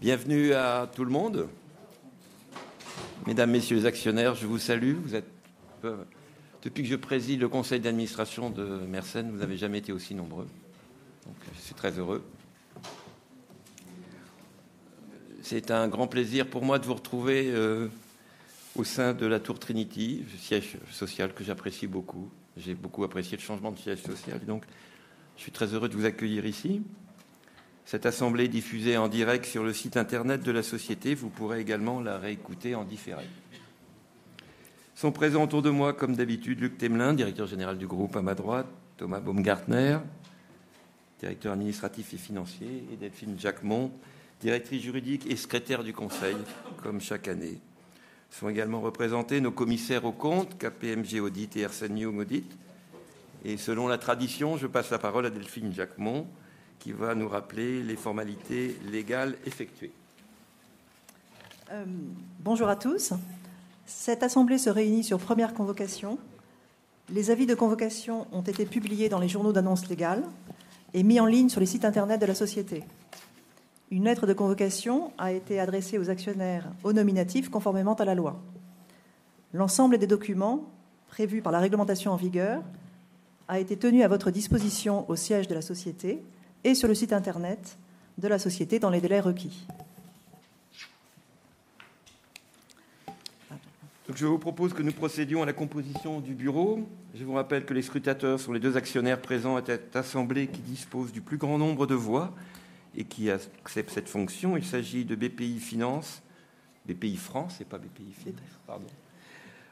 Bienvenue à tout le monde. Mesdames, Messieurs les actionnaires, je vous salue. Vous êtes, depuis que je préside le conseil d'administration de Mersen, vous n'avez jamais été aussi nombreux. Donc, je suis très heureux. C'est un grand plaisir pour moi de vous retrouver au sein de la Tour Trinity, le siège social que j'apprécie beaucoup. J'ai beaucoup apprécié le changement de siège social, donc je suis très heureux de vous accueillir ici. Cette assemblée est diffusée en direct sur le site Internet de la société. Vous pourrez également la réécouter en différé. Sont présents autour de moi, comme d'habitude, Luc Temelin, Directeur Général du groupe, à ma droite, Thomas Baumgartner, Directeur Administratif et Financier, et Delphine Jacquemont, Directrice Juridique et Secrétaire du conseil, comme chaque année. Sont également représentés nos commissaires aux comptes, KPMG Audit et Ernst & Young Audit. Et selon la tradition, je passe la parole à Delphine Jacquemont, qui va nous rappeler les formalités légales effectuées. Bonjour à tous. Cette assemblée se réunit sur première convocation. Les avis de convocation ont été publiés dans les journaux d'annonces légales et mis en ligne sur les sites Internet de la société. Une lettre de convocation a été adressée aux actionnaires au nominatif, conformément à la loi. L'ensemble des documents prévus par la réglementation en vigueur a été tenu à votre disposition au siège de la société et sur le site Internet de la société dans les délais requis. Donc, je vous propose que nous procédions à la composition du bureau. Je vous rappelle que les scrutateurs sont les deux actionnaires présents à cette assemblée qui disposent du plus grand nombre de voix et qui acceptent cette fonction. Il s'agit de BPI France, et pas BPI Finance, pardon,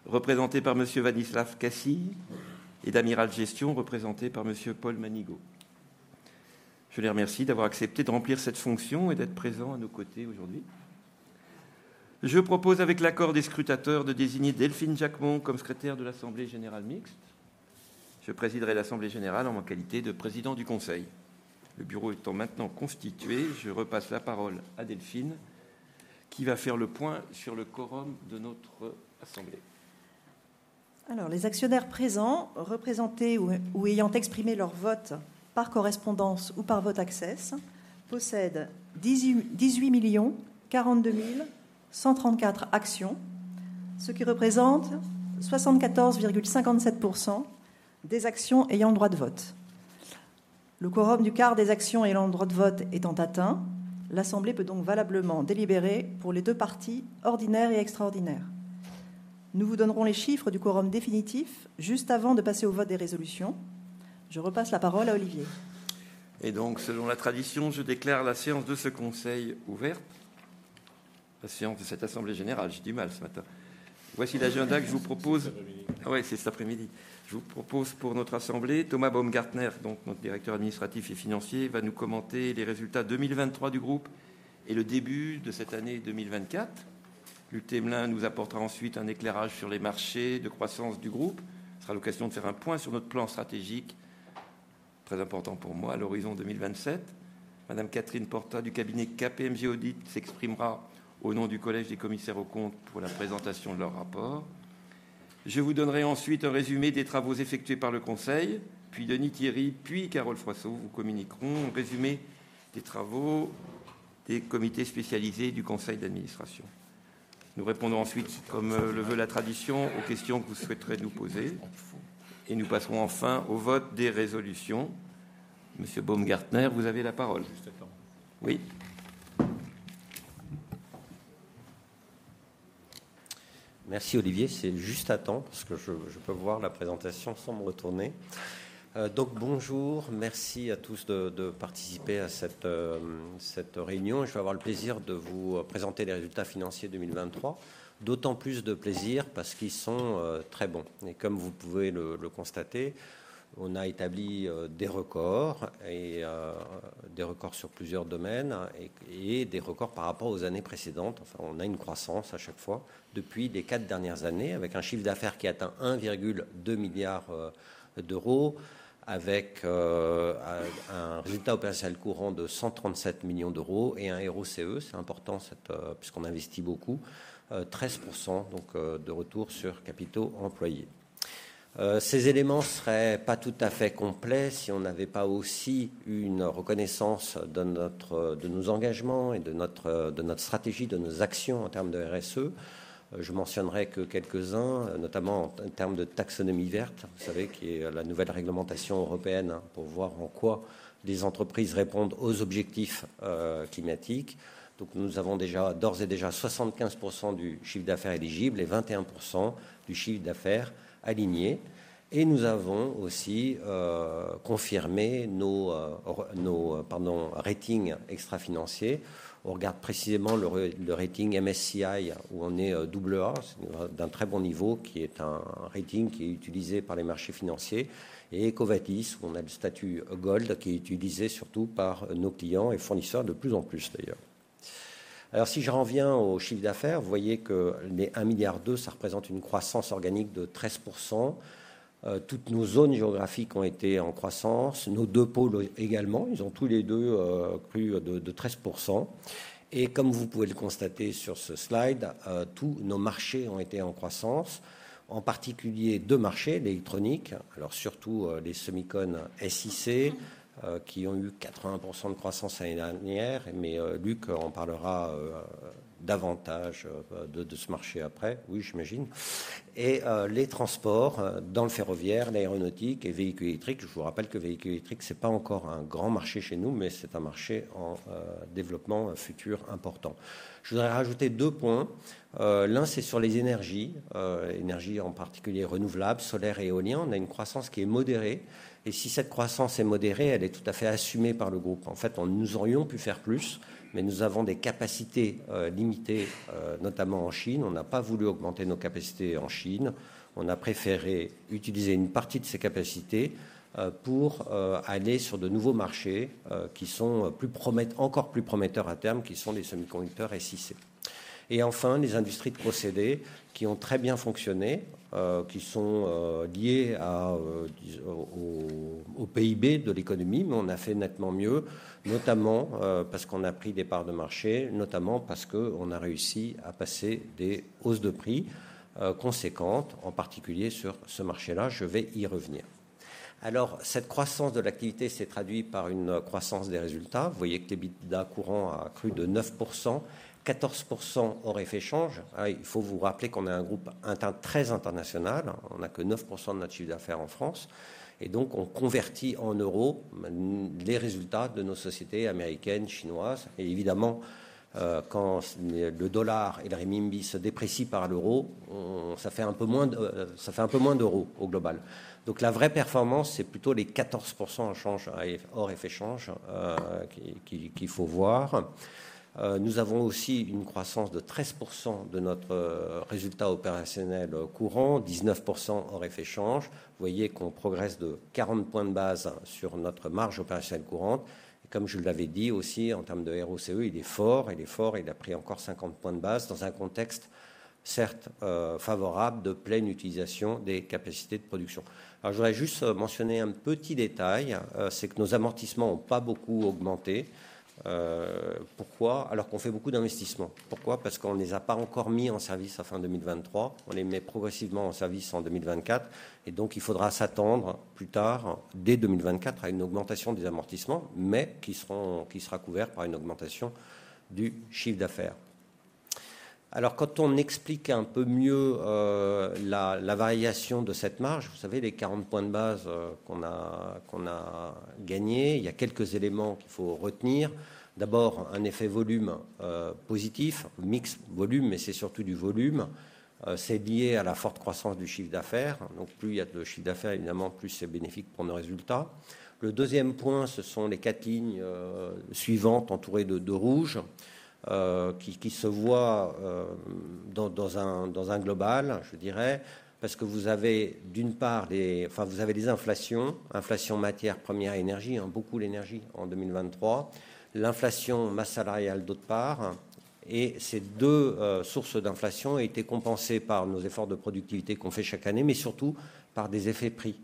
représentée par Monsieur Vladislav Kassil, et d'Amiral Gestion, représentée par Monsieur Paul Manigaud. Je les remercie d'avoir accepté de remplir cette fonction et d'être présents à nos côtés aujourd'hui. Je propose, avec l'accord des scrutateurs, de désigner Delphine Jacquemont comme secrétaire de l'Assemblée Générale Mixte. Je présiderai l'Assemblée Générale en ma qualité de Président du Conseil. Le bureau étant maintenant constitué, je repasse la parole à Delphine, qui va faire le point sur le quorum de notre assemblée. Alors, les actionnaires présents, représentés ou ayant exprimé leur vote par correspondance ou par vote électronique, possèdent 18 042 134 actions, ce qui représente 74,57% des actions ayant le droit de vote. Le quorum du quart des actions ayant le droit de vote étant atteint, l'Assemblée peut donc valablement délibérer pour les deux parties ordinaires et extraordinaires. Nous vous donnerons les chiffres du quorum définitif juste avant de passer au vote des résolutions. Je repasse la parole à Olivier. Et donc, selon la tradition, je déclare la séance de ce conseil ouverte. La séance de cette assemblée générale, j'ai du mal ce matin. Voici l'agenda que je vous propose. Oui, c'est cet après-midi. Oui, c'est cet après-midi. Je vous propose pour notre assemblée, Thomas Baumgartner, donc notre Directeur Administratif et Financier, va nous commenter les résultats 2023 du groupe et le début de cette année 2024. Luc Temelin nous apportera ensuite un éclairage sur les marchés de croissance du groupe. Ce sera l'occasion de faire un point sur notre plan stratégique, très important pour moi, à l'horizon 2027. Madame Catherine Porta, du cabinet KPMG Audit, s'exprimera au nom du Collège des Commissaires aux Comptes pour la présentation de leur rapport. Je vous donnerai ensuite un résumé des travaux effectués par le Conseil, puis Denis Thierry, puis Carole Froissart vous communiqueront un résumé des travaux des comités spécialisés du Conseil d'Administration. Nous répondrons ensuite, comme le veut la tradition, aux questions que vous souhaiterez nous poser et nous passerons enfin au vote des résolutions. Monsieur Baumgartner, vous avez la parole. Oui. Merci Olivier, c'est juste à temps, parce que je peux voir la présentation sans me retourner. Donc bonjour, merci à tous de participer à cette réunion. Je vais avoir le plaisir de vous présenter les résultats financiers 2023. D'autant plus de plaisir parce qu'ils sont très bons. Et comme vous pouvez le constater, on a établi des records sur plusieurs domaines et des records par rapport aux années précédentes. On a une croissance à chaque fois depuis les quatre dernières années, avec un chiffre d'affaires qui atteint €1,2 milliards, avec un résultat opérationnel courant de €137 millions et un ROCE, c'est important puisqu'on investit beaucoup, 13%, donc de retour sur capitaux employés. Ces éléments ne seraient pas tout à fait complets si on n'avait pas aussi eu une reconnaissance de nos engagements et de notre stratégie, de nos actions en termes de RSE. Je mentionnerai quelques-uns, notamment en termes de taxonomie verte, vous savez, qui est la nouvelle réglementation européenne, pour voir en quoi les entreprises répondent aux objectifs climatiques. Donc, nous avons déjà, d'ores et déjà 75% du chiffre d'affaires éligible et 21% du chiffre d'affaires aligné. Nous avons aussi confirmé nos ratings extra financiers. On regarde précisément le rating MSCI, où on est double A, d'un très bon niveau, qui est un rating qui est utilisé par les marchés financiers. Et Ecovadis, où on a le statut Gold, qui est utilisé surtout par nos clients et fournisseurs, de plus en plus d'ailleurs. Alors si je reviens au chiffre d'affaires, vous voyez que le 1,2 milliard, ça représente une croissance organique de 13%. Toutes nos zones géographiques ont été en croissance, nos deux pôles également. Ils ont tous les deux plus de 13%. Et comme vous pouvez le constater sur ce slide, tous nos marchés ont été en croissance, en particulier deux marchés, l'électronique, alors surtout les semicon IC, qui ont eu 80% de croissance l'année dernière, mais Luc en parlera davantage de ce marché après. Oui, j'imagine. Et les transports dans le ferroviaire, l'aéronautique et véhicules électriques. Je vous rappelle que véhicules électriques, ce n'est pas encore un grand marché chez nous, mais c'est un marché en développement futur important. Je voudrais rajouter deux points. L'un, c'est sur les énergies, énergies en particulier renouvelables, solaires et éoliennes. On a une croissance qui est modérée et si cette croissance est modérée, elle est tout à fait assumée par le groupe. En fait, nous aurions pu faire plus, mais nous avons des capacités limitées, notamment en Chine. On n'a pas voulu augmenter nos capacités en Chine. On a préféré utiliser une partie de ces capacités pour aller sur de nouveaux marchés qui sont plus prometteurs, encore plus prometteurs à terme, qui sont les semi-conducteurs IC. Et enfin, les industries de procédés qui ont très bien fonctionné, qui sont liées à, disons, au PIB de l'économie. Mais on a fait nettement mieux, notamment, parce qu'on a pris des parts de marché, notamment parce qu'on a réussi à passer des hausses de prix conséquentes, en particulier sur ce marché-là. Je vais y revenir. Alors, cette croissance de l'activité s'est traduite par une croissance des résultats. Vous voyez que l'EBITDA courant a accru de 9%, 14% au rechange. Il faut vous rappeler qu'on est un groupe très international. On n'a que 9% de notre chiffre d'affaires en France et donc on convertit en euros les résultats de nos sociétés américaines, chinoises. Et évidemment, quand le dollar et le renminbi se déprécient par rapport à l'euro, ça fait un peu moins d'euros au global. Donc, la vraie performance, c'est plutôt les 14% en change, hors effet change, qu'il faut voir. Nous avons aussi une croissance de 13% de notre résultat opérationnel courant, 19% en reféchange. Vous voyez qu'on progresse de quarante points de base sur notre marge opérationnelle courante. Comme je l'avais dit aussi, en termes de ROCE, il est fort, il est fort. Il a pris encore cinquante points de base dans un contexte certes favorable, de pleine utilisation des capacités de production. Alors, je voudrais juste mentionner un petit détail, c'est que nos amortissements n'ont pas beaucoup augmenté. Pourquoi? Alors qu'on fait beaucoup d'investissements. Pourquoi? Parce qu'on ne les a pas encore mis en service fin 2023. On les met progressivement en service en 2024 et donc il faudra s'attendre plus tard, dès 2024, à une augmentation des amortissements, mais qui seront, qui sera couverte par une augmentation du chiffre d'affaires. Alors, quand on explique un peu mieux la variation de cette marge, vous savez, les 40 points de base qu'on a gagnés, il y a quelques éléments qu'il faut retenir. D'abord, un effet volume positif, mixte volume, mais c'est surtout du volume. C'est lié à la forte croissance du chiffre d'affaires. Donc, plus il y a de chiffre d'affaires, évidemment, plus c'est bénéfique pour nos résultats. Le deuxième point, ce sont les quatre lignes suivantes, entourées de deux rouges, qui se voient dans un global, je dirais, parce que vous avez d'une part des inflations, inflation matières premières et énergie, beaucoup l'énergie en 2023, l'inflation masse salariale d'autre part. Et ces deux sources d'inflation ont été compensées par nos efforts de productivité qu'on fait chaque année, mais surtout par des effets prix.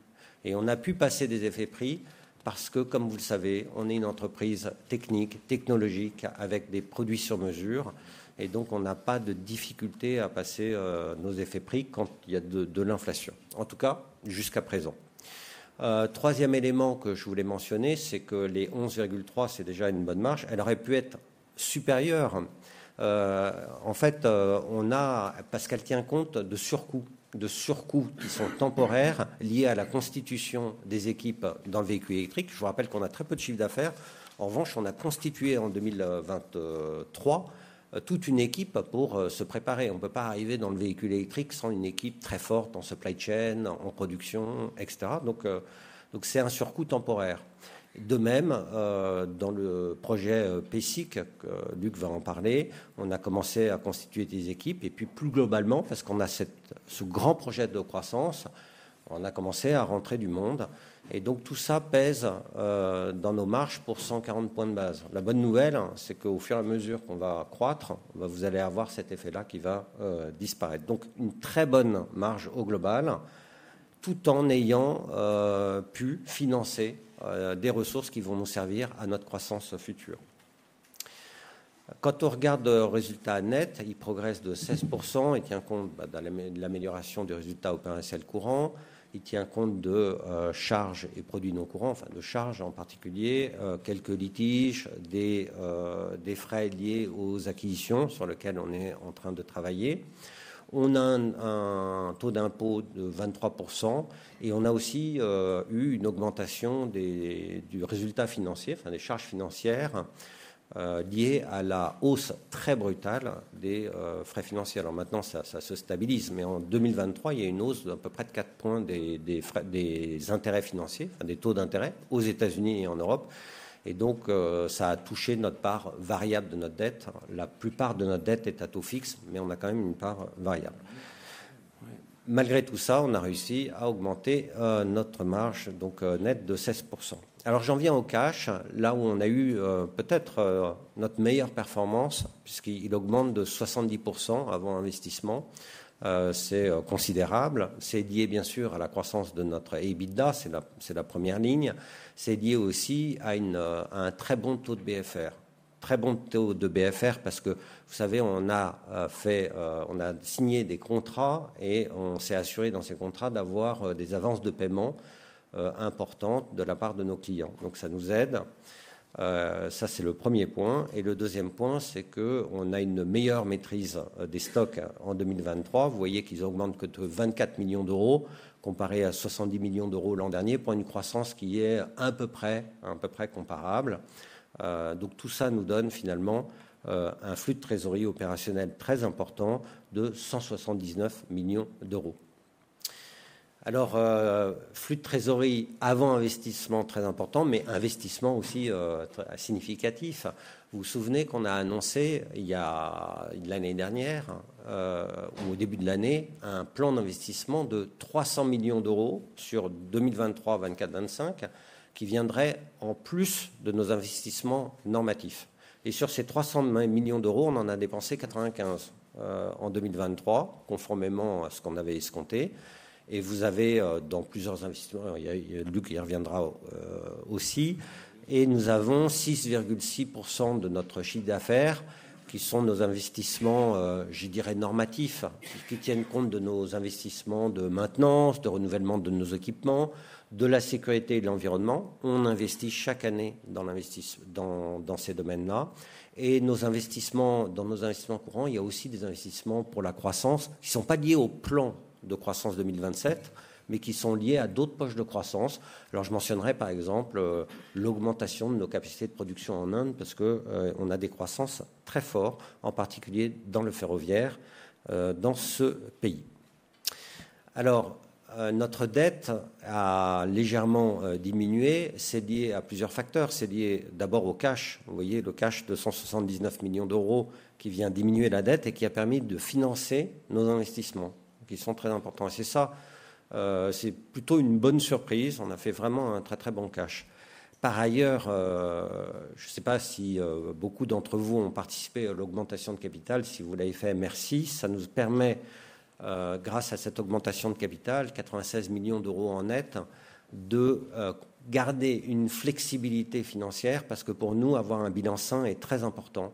Et on a pu passer des effets prix parce que, comme vous le savez, on est une entreprise technique, technologique, avec des produits sur mesure et donc on n'a pas de difficulté à passer nos effets prix quand il y a de l'inflation, en tout cas jusqu'à présent. Troisième élément que je voulais mentionner, c'est que les 11,3%, c'est déjà une bonne marge. Elle aurait pu être supérieure. En fait, on a, parce qu'elle tient compte de surcoûts, de surcoûts qui sont temporaires, liés à la constitution des équipes dans le véhicule électrique. Je vous rappelle qu'on a très peu de chiffre d'affaires. En revanche, on a constitué en 2023, toute une équipe pour se préparer. On ne peut pas arriver dans le véhicule électrique sans une équipe très forte en supply chain, en production, etc. Donc, c'est un surcoût temporaire. De même, dans le projet P-SIC, que Luc va en parler, on a commencé à constituer des équipes. Et puis, plus globalement, parce qu'on a ce grand projet de croissance, on a commencé à rentrer du monde et donc tout ça pèse dans nos marges pour 140 points de base. La bonne nouvelle, c'est qu'au fur et à mesure qu'on va croître, vous allez avoir cet effet-là qui va disparaître. Donc une très bonne marge au global, tout en ayant pu financer des ressources qui vont nous servir à notre croissance future. Quand on regarde le résultat net, il progresse de 16% et tient compte de l'amélioration du résultat opérationnel courant. Il tient compte de charges et produits non courants, enfin de charges, en particulier, quelques litiges, des frais liés aux acquisitions sur lesquels on est en train de travailler. On a un taux d'impôt de 23% et on a aussi eu une augmentation du résultat financier, enfin des charges financières, liées à la hausse très brutale des frais financiers. Alors maintenant, ça se stabilise, mais en 2023, il y a une hausse d'à peu près de quatre points des frais, des intérêts financiers, enfin des taux d'intérêt aux États-Unis et en Europe. Et donc, ça a touché notre part variable de notre dette. La plupart de notre dette est à taux fixe, mais on a quand même une part variable. Malgré tout ça, on a réussi à augmenter notre marge, donc, nette de 16%. Alors, j'en viens au cash, là où on a eu peut-être notre meilleure performance, puisqu'il augmente de 70% avant investissement. C'est considérable. C'est lié bien sûr à la croissance de notre EBITDA, c'est la première ligne. C'est lié aussi à un très bon taux de BFR. Très bon taux de BFR, parce que, vous savez, on a fait, on a signé des contrats et on s'est assuré dans ces contrats d'avoir des avances de paiement importantes de la part de nos clients. Donc, ça nous aide. Ça, c'est le premier point. Le deuxième point, c'est qu'on a une meilleure maîtrise des stocks en 2023. Vous voyez qu'ils augmentent que de 24 millions d'euros, comparé à 70 millions d'euros l'an dernier, pour une croissance qui est à peu près comparable. Donc tout ça nous donne finalement un flux de trésorerie opérationnel très important de 179 millions d'euros. Alors, flux de trésorerie avant investissement très important, mais investissement aussi significatif. Vous vous souvenez qu'on a annoncé il y a l'année dernière, ou au début de l'année, un plan d'investissement de 300 millions d'euros sur 2023, 2024, 2025, qui viendrait en plus de nos investissements normatifs. Et sur ces 300 millions d'euros, on en a dépensé 95 en 2023, conformément à ce qu'on avait escompté. Et vous avez, dans plusieurs investissements, Luc y reviendra aussi. Et nous avons 6,6% de notre chiffre d'affaires, qui sont nos investissements, je dirais, normatifs, qui tiennent compte de nos investissements de maintenance, de renouvellement de nos équipements, de la sécurité et de l'environnement. On investit chaque année dans l'investissement, dans ces domaines-là et nos investissements, dans nos investissements courants, il y a aussi des investissements pour la croissance, qui ne sont pas liés au plan de croissance 2027, mais qui sont liés à d'autres poches de croissance. Alors, je mentionnerais par exemple, l'augmentation de nos capacités de production en Inde, parce qu'on a des croissances très fortes, en particulier dans le ferroviaire, dans ce pays. Alors, notre dette a légèrement diminué. C'est lié à plusieurs facteurs. C'est lié d'abord au cash. Vous voyez le cash de 179 millions d'euros qui vient diminuer la dette et qui a permis de financer nos investissements, qui sont très importants. Et c'est ça, c'est plutôt une bonne surprise. On a fait vraiment un très très bon cash. Par ailleurs, je ne sais pas si beaucoup d'entre vous ont participé à l'augmentation de capital. Si vous l'avez fait, merci. Ça nous permet, grâce à cette augmentation de capital, quatre-vingt-seize millions d'euros en net, de garder une flexibilité financière, parce que pour nous, avoir un bilan sain est très important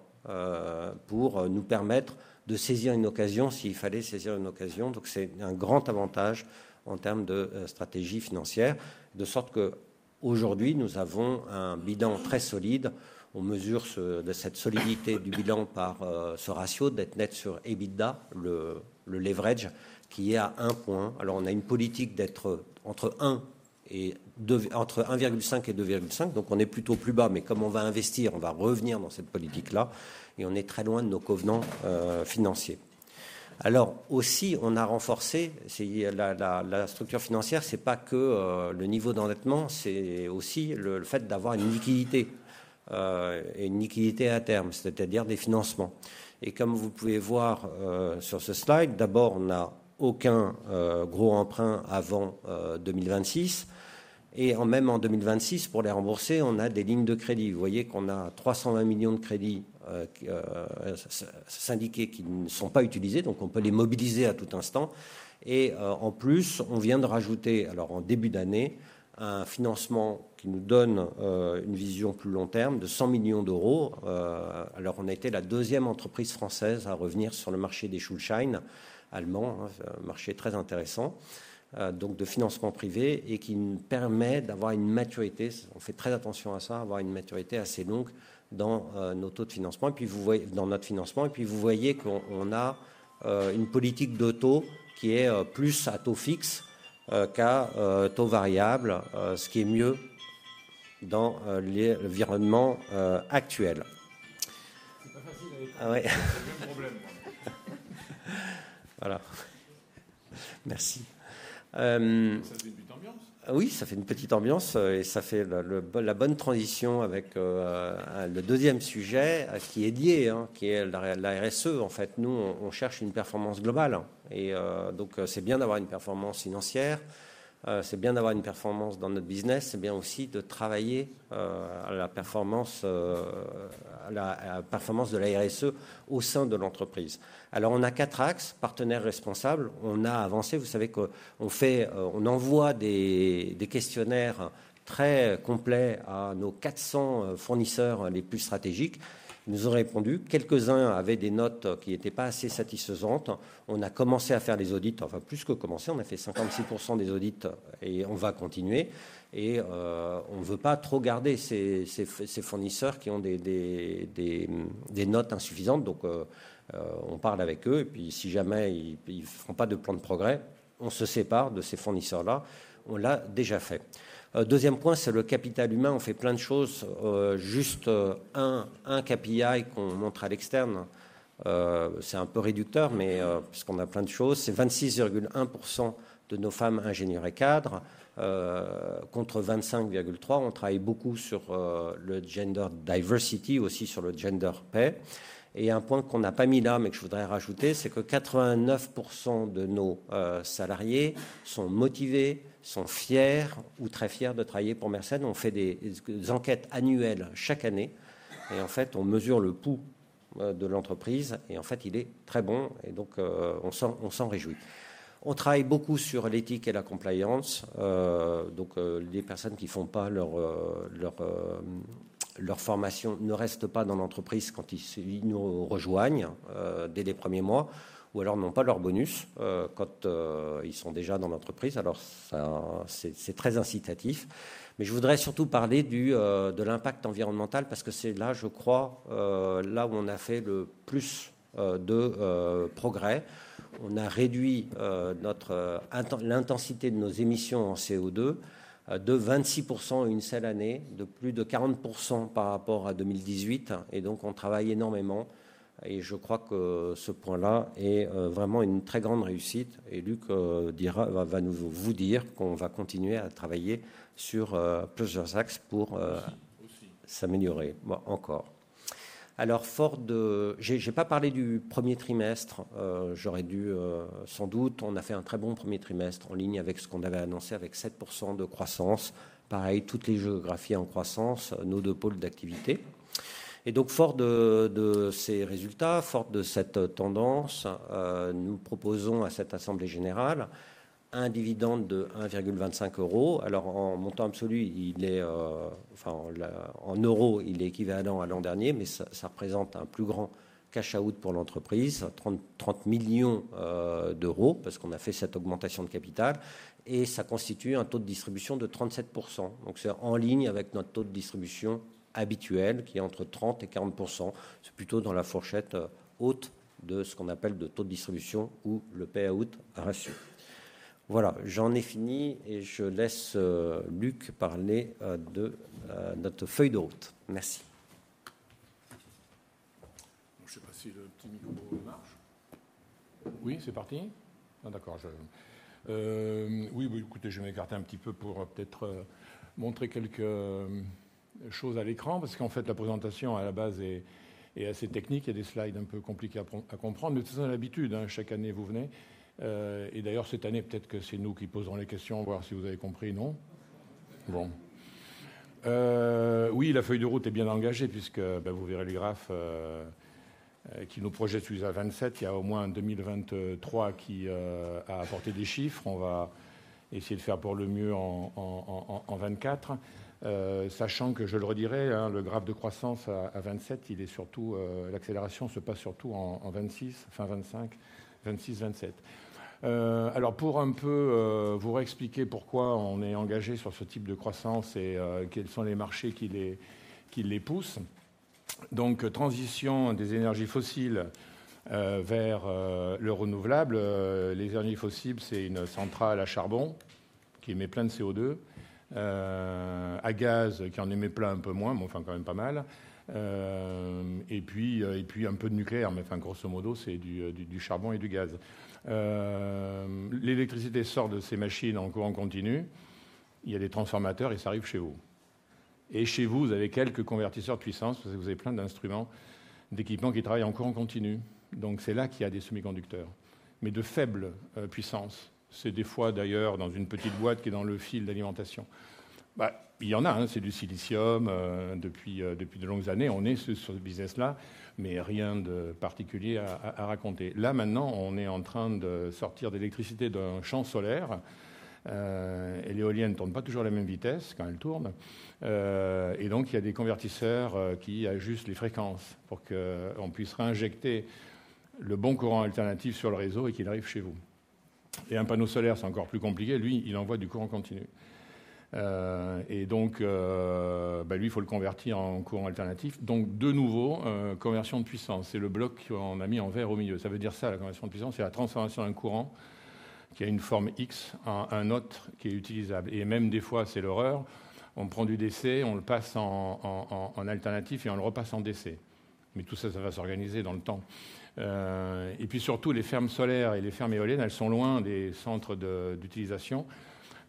pour nous permettre de saisir une occasion, s'il fallait saisir une occasion. Donc c'est un grand avantage en termes de stratégie financière, de sorte qu'aujourd'hui, nous avons un bilan très solide. On mesure cette solidité du bilan par ce ratio, dette nette sur EBITDA, le leverage, qui est à un point. Alors, on a une politique d'être entre un et deux, entre un virgule cinq et deux virgule cinq. Donc, on est plutôt plus bas, mais comme on va investir, on va revenir dans cette politique-là et on est très loin de nos covenants financiers. Alors aussi, on a renforcé la structure financière, ce n'est pas que le niveau d'endettement, c'est aussi le fait d'avoir une liquidité et une liquidité à terme, c'est-à-dire des financements. Et comme vous pouvez voir sur ce slide, d'abord, on n'a aucun gros emprunt avant 2026. Et même en 2026, pour les rembourser, on a des lignes de crédit. Vous voyez qu'on a 320 millions d'euros de crédits syndiqués qui ne sont pas utilisés, donc on peut les mobiliser à tout instant. Et en plus, on vient de rajouter, alors en début d'année, un financement qui nous donne une vision plus long terme de 100 millions d'euros. Alors, on a été la deuxième entreprise française à revenir sur le marché des Schuldscheine allemands. C'est un marché très intéressant de financement privé et qui nous permet d'avoir une maturité. On fait très attention à ça, avoir une maturité assez longue dans nos taux de financement. Puis, vous voyez, dans notre financement et puis vous voyez qu'on a une politique de taux qui est plus à taux fixe qu'à taux variable, ce qui est mieux dans l'environnement actuel. Ce n'est pas facile... Ouais. Voilà. Merci. Ça fait une petite ambiance. Oui, ça fait une petite ambiance et ça fait la bonne transition avec le deuxième sujet qui est lié, qui est la RSE. En fait, nous, on cherche une performance globale et donc c'est bien d'avoir une performance financière, c'est bien d'avoir une performance dans notre business. C'est bien aussi de travailler la performance de la RSE au sein de l'entreprise. Alors, on a quatre axes, partenaire responsable. On a avancé. Vous savez qu'on fait, on envoie des questionnaires très complets à nos quatre cents fournisseurs les plus stratégiques. Ils nous ont répondu. Quelques-uns avaient des notes qui n'étaient pas assez satisfaisantes. On a commencé à faire des audits, enfin, plus que commencer, on a fait 56% des audits et on va continuer. Et on ne veut pas trop garder ces fournisseurs qui ont des notes insuffisantes. Donc on parle avec eux et puis si jamais ils ne font pas de plan de progrès, on se sépare de ces fournisseurs-là. On l'a déjà fait. Deuxième point, c'est le capital humain. On fait plein de choses. Juste un KPI qu'on montre à l'externe, c'est un peu réducteur, mais puisqu'on a plein de choses, c'est 26,1% de nos femmes ingénieurs et cadres, contre 25,3%. On travaille beaucoup sur le gender diversity, aussi sur le gender pay. Et un point qu'on n'a pas mis là, mais que je voudrais rajouter, c'est que 89% de nos salariés sont motivés, sont fiers ou très fiers de travailler pour Mersen. On fait des enquêtes annuelles chaque année et en fait, on mesure le pouls de l'entreprise et en fait, il est très bon et donc on s'en réjouit. On travaille beaucoup sur l'éthique et la compliance. Donc, les personnes qui ne font pas leur formation ne restent pas dans l'entreprise quand ils nous rejoignent dès les premiers mois ou alors n'ont pas leur bonus quand ils sont déjà dans l'entreprise. Alors ça, c'est très incitatif. Mais je voudrais surtout parler de l'impact environnemental, parce que c'est là, je crois, là où on a fait le plus de progrès. On a réduit notre intensité de nos émissions en CO₂ de 26% en une seule année, de plus de 40% par rapport à 2018. Et donc, on travaille énormément et je crois que ce point-là est vraiment une très grande réussite. Et Luc dira, va nous, vous dire qu'on va continuer à travailler sur plusieurs axes pour s'améliorer encore. Alors, fort de... J'ai, j'ai pas parlé du premier trimestre. J'aurais dû, sans doute. On a fait un très bon premier trimestre, en ligne avec ce qu'on avait annoncé, avec 7% de croissance. Pareil, toutes les géographies en croissance, nos deux pôles d'activité. Et donc, fort de ces résultats, fort de cette tendance, nous proposons à cette assemblée générale un dividende de 1,25 €. Alors, en montant absolu, il est équivalent à l'an dernier, mais ça représente un plus grand cash out pour l'entreprise, €30 millions, parce qu'on a fait cette augmentation de capital et ça constitue un taux de distribution de 37%. Donc c'est en ligne avec notre taux de distribution habituel, qui est entre 30% et 40%. C'est plutôt dans la fourchette haute de ce qu'on appelle de taux de distribution ou le payout ratio. Voilà, j'en ai fini et je laisse Luc parler de notre feuille de route. Merci. Je ne sais pas si le petit micro marche. Oui, c'est parti? D'accord, je vais m'écarter un petit peu pour peut-être montrer quelques choses à l'écran, parce qu'en fait, la présentation, à la base, est assez technique. Il y a des slides un peu compliqués à comprendre, mais vous avez l'habitude, chaque année, vous venez. Et d'ailleurs, cette année, peut-être que c'est nous qui poserons les questions, voir si vous avez compris ou non. Bon. Oui, la feuille de route est bien engagée puisque, ben vous verrez les graphes qui nous projettent jusqu'à 2027. Il y a au moins un 2023 qui a apporté des chiffres. On va essayer de faire pour le mieux en 2024. Sachant que, je le redirai, le graphe de croissance à vingt-sept, il est surtout, l'accélération se passe surtout en vingt-six, fin vingt-cinq, vingt-six, vingt-sept. Alors, pour un peu vous réexpliquer pourquoi on est engagé sur ce type de croissance et quels sont les marchés qui les poussent. Donc, transition des énergies fossiles vers le renouvelable. Les énergies fossiles, c'est une centrale à charbon qui émet plein de CO₂, à gaz, qui en émet plein, un peu moins, mais enfin, quand même pas mal. Et puis un peu de nucléaire, mais enfin, grosso modo, c'est du charbon et du gaz. L'électricité sort de ces machines en courant continu. Il y a des transformateurs et ça arrive chez vous. Et chez vous, vous avez quelques convertisseurs de puissance, parce que vous avez plein d'instruments, d'équipements qui travaillent en courant continu. Donc c'est là qu'il y a des semi-conducteurs, mais de faible puissance. C'est des fois d'ailleurs dans une petite boîte qui est dans le fil d'alimentation. Il y en a, c'est du silicium. Depuis de longues années, on est sur ce business-là, mais rien de particulier à raconter. Là, maintenant, on est en train de sortir d'électricité d'un champ solaire, et l'éolienne ne tourne pas toujours à la même vitesse quand elle tourne. Et donc, il y a des convertisseurs qui ajustent les fréquences pour qu'on puisse réinjecter le bon courant alternatif sur le réseau et qu'il arrive chez vous. Et un panneau solaire, c'est encore plus compliqué. Lui, il envoie du courant continu. Et donc, lui, il faut le convertir en courant alternatif. Donc, de nouveau, conversion de puissance. C'est le bloc qu'on a mis en vert au milieu. Ça veut dire ça, la conversion de puissance, c'est la transformation d'un courant qui a une forme X en un autre qui est utilisable. Et même des fois, c'est l'horreur, on prend du DC, on le passe en alternatif et on le repasse en DC. Mais tout ça, ça va s'organiser dans le temps. Et puis surtout, les fermes solaires et les fermes éoliennes, elles sont loin des centres d'utilisation.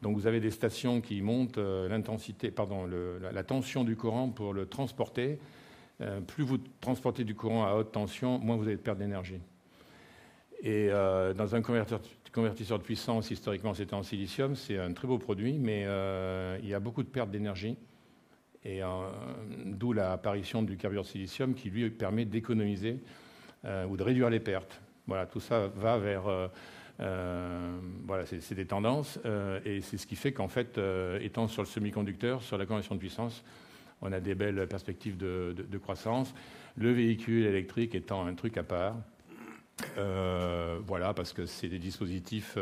Donc, vous avez des stations qui montent l'intensité, pardon, la tension du courant pour le transporter. Plus vous transportez du courant à haute tension, moins vous allez perdre d'énergie. Et dans un convertisseur de puissance, historiquement, c'était en silicium. C'est un très beau produit, mais il y a beaucoup de perte d'énergie. Et d'où l'apparition du carbure de silicium, qui, lui, permet d'économiser ou de réduire les pertes. Voilà, tout ça va vers, c'est des tendances. Et c'est ce qui fait qu'en fait, étant sur le semi-conducteur, sur la conversion de puissance, on a des belles perspectives de croissance, le véhicule électrique étant un truc à part. Voilà, parce que c'est des dispositifs,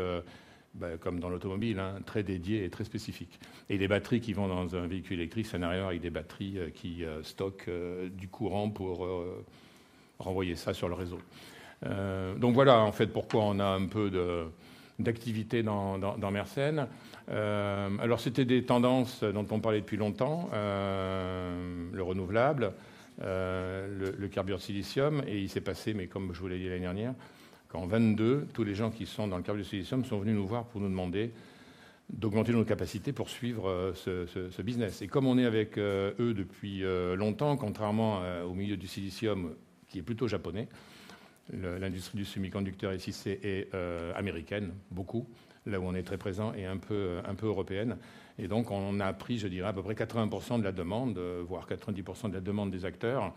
comme dans l'automobile, très dédiés et très spécifiques. Et les batteries qui vont dans un véhicule électrique, c'est un arrière avec des batteries qui stockent du courant pour renvoyer ça sur le réseau. Donc voilà, en fait, pourquoi on a un peu d'activité dans Mercenne. Alors, c'était des tendances dont on parlait depuis longtemps, le renouvelable, le carbure silicium. Et il s'est passé, mais comme je vous l'ai dit l'année dernière, qu'en 2022, tous les gens qui sont dans le carbure de silicium sont venus nous voir pour nous demander d'augmenter nos capacités pour suivre ce business. Et comme on est avec eux depuis longtemps, contrairement au milieu du silicium, qui est plutôt japonais... L'industrie du semi-conducteur SiC est américaine, beaucoup, là où on est très présent, et un peu européenne. Et donc on a pris, je dirais, à peu près 80% de la demande, voire 90% de la demande des acteurs.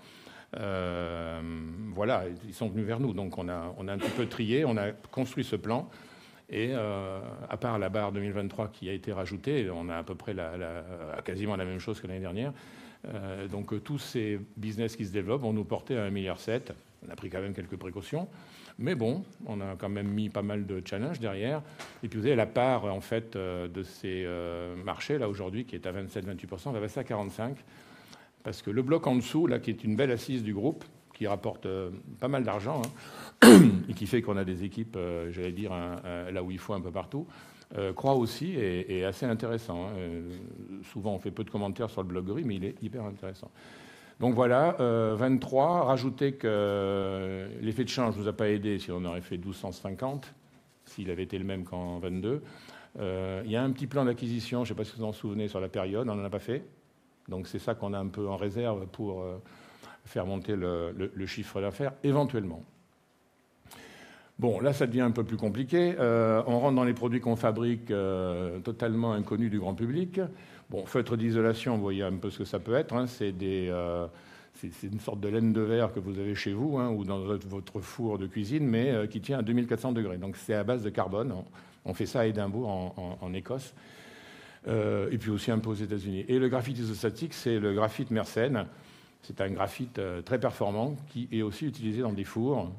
Voilà, ils sont venus vers nous. Donc, on a un petit peu trié, on a construit ce plan. Et à part la barre 2023, qui a été rajoutée, on a à peu près quasiment la même chose que l'année dernière. Donc tous ces business qui se développent vont nous porter à un milliard sept. On a pris quand même quelques précautions, mais bon, on a quand même mis pas mal de challenges derrière. Et puis vous avez la part, en fait, de ces marchés, là, aujourd'hui, qui est à 27%, 28%, on va passer à 45%. Parce que le bloc en dessous, là, qui est une belle assise du groupe, qui rapporte pas mal d'argent et qui fait qu'on a des équipes, j'allais dire, là où il faut, un peu partout, croît aussi et est assez intéressant. Souvent, on fait peu de commentaires sur le bloc gris, mais il est hyper intéressant. Donc voilà, 23. Rajoutez que l'effet de change nous a pas aidés, sinon on aurait fait 1 250, s'il avait été le même qu'en 22. Il y a un petit plan d'acquisition, je ne sais pas si vous vous en souvenez, sur la période, on n'en a pas fait. Donc c'est ça qu'on a un peu en réserve pour faire monter le chiffre d'affaires, éventuellement. Bon, là, ça devient un peu plus compliqué. On rentre dans les produits qu'on fabrique, totalement inconnus du grand public. Bon, feutre d'isolation, vous voyez un peu ce que ça peut être, c'est une sorte de laine de verre que vous avez chez vous, ou dans votre four de cuisine, mais qui tient à 2 400 degrés. Donc c'est à base de carbone. On fait ça à Édimbourg, en Écosse, et puis aussi un peu aux États-Unis. Et le graphite isostatique, c'est le graphite Mersen. C'est un graphite très performant, qui est aussi utilisé dans des fours,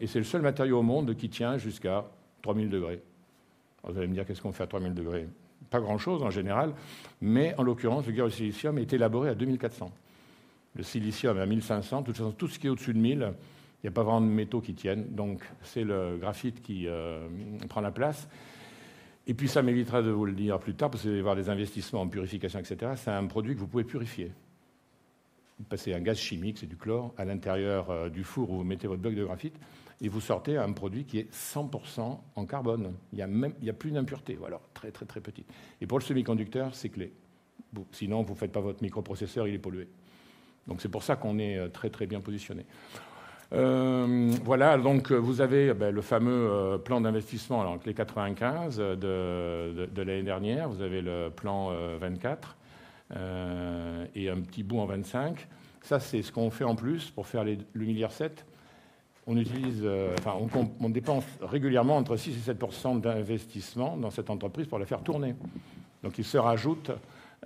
et c'est le seul matériau au monde qui tient jusqu'à 3 000 degrés. Vous allez me dire: qu'est-ce qu'on fait à 3 000 degrés? Pas grand-chose en général, mais en l'occurrence, le verre au silicium est élaboré à 2 400. Le silicium est à 1 500. De toute façon, tout ce qui est au-dessus de 1 000, il n'y a pas vraiment de métaux qui tiennent, donc c'est le graphite qui prend la place. Et puis ça m'évitera de vous le dire plus tard, parce qu'il va y avoir des investissements en purification, etc. C'est un produit que vous pouvez purifier. Vous passez un gaz chimique, c'est du chlore, à l'intérieur du four où vous mettez votre bloc de graphite et vous sortez un produit qui est 100% en carbone. Il y a même, il y a plus d'impuretés, ou alors très, très, très petites. Et pour le semi-conducteur, c'est clé. Sinon, vous ne faites pas votre microprocesseur, il est pollué. Donc c'est pour ça qu'on est très très bien positionné. Voilà, donc, vous avez bien le fameux plan d'investissement, entre les 95 de l'année dernière. Vous avez le plan 24 et un petit bout en 25. Ça, c'est ce qu'on fait en plus pour faire le 1,7 milliard. On utilise, enfin, on dépense régulièrement entre 6% et 7% d'investissement dans cette entreprise pour la faire tourner. Donc, il se rajoute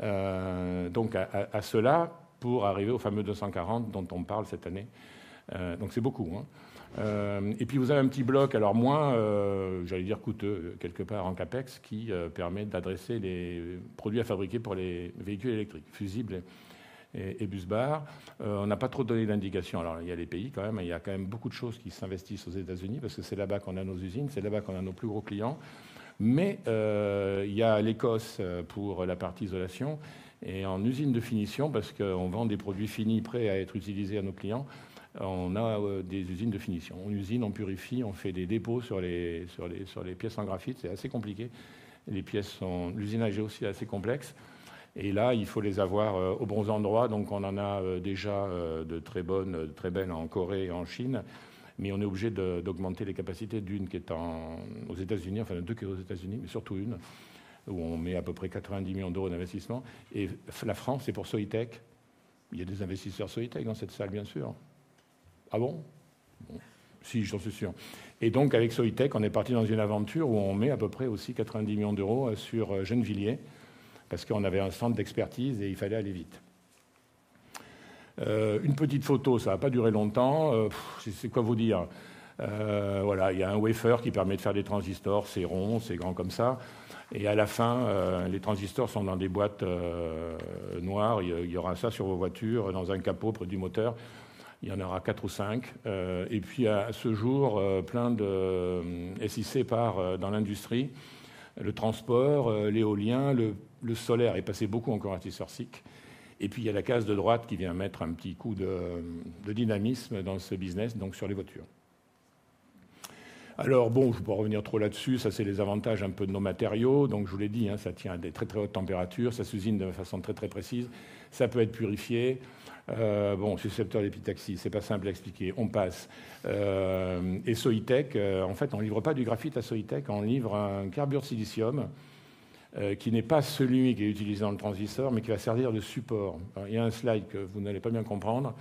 donc à cela pour arriver au fameux 240 dont on parle cette année. Donc c'est beaucoup. Et puis, vous avez un petit bloc, alors moins, j'allais dire, coûteux, quelque part, en CapEx, qui permet d'adresser les produits à fabriquer pour les véhicules électriques, fusibles et busbar. On n'a pas trop donné d'indications. Alors, il y a des pays quand même, il y a quand même beaucoup de choses qui s'investissent aux États-Unis, parce que c'est là-bas qu'on a nos usines, c'est là-bas qu'on a nos plus gros clients. Mais il y a l'Écosse pour la partie isolation. Et en usine de finition, parce qu'on vend des produits finis, prêts à être utilisés à nos clients, on a des usines de finition. On usine, on purifie, on fait des dépôts sur les pièces en graphite. C'est assez compliqué. Les pièces sont... L'usinage est aussi assez complexe. Et là, il faut les avoir aux bons endroits. Donc, on en a déjà de très bonnes, très belles en Corée et en Chine, mais on est obligé d'augmenter les capacités d'une qui est aux États-Unis, enfin deux qui sont aux États-Unis, mais surtout une, où on met à peu près €90 millions d'investissement. Et la France, c'est pour Soitec. Il y a des investisseurs Soitec dans cette salle, bien sûr ? Ah bon? Si, j'en suis sûr. Donc, avec Soitec, on est parti dans une aventure où on met à peu près aussi €90 millions sur Gennevilliers, parce qu'on avait un centre d'expertise et il fallait aller vite. Une petite photo, ça va pas durer longtemps. Je sais pas quoi vous dire? Voilà, il y a un wafer qui permet de faire des transistors. C'est rond, c'est grand comme ça. Et à la fin, les transistors sont dans des boîtes noires. Il y aura ça sur vos voitures, dans un capot, près du moteur. Il y en aura quatre ou cinq. Et puis, à ce jour, plein de SiC part dans l'industrie, le transport, l'éolien, le solaire est passé beaucoup encore à cette sur SiC. Et puis, il y a la case de droite qui vient mettre un petit coup de dynamisme dans ce business, donc sur les voitures. Alors bon, je ne vais pas revenir trop là-dessus. Ça, c'est les avantages un peu de nos matériaux. Donc, je vous l'ai dit, ça tient à des très très hautes températures, ça s'usine de façon très très précise, ça peut être purifié. Bon, suscepteur d'épitaxie, ce n'est pas simple à expliquer. On passe. Et Soitec, en fait, on ne livre pas du graphite à Soitec, on livre un carbure silicium, qui n'est pas celui qui est utilisé dans le transistor, mais qui va servir de support. Il y a un slide que vous n'allez pas bien comprendre,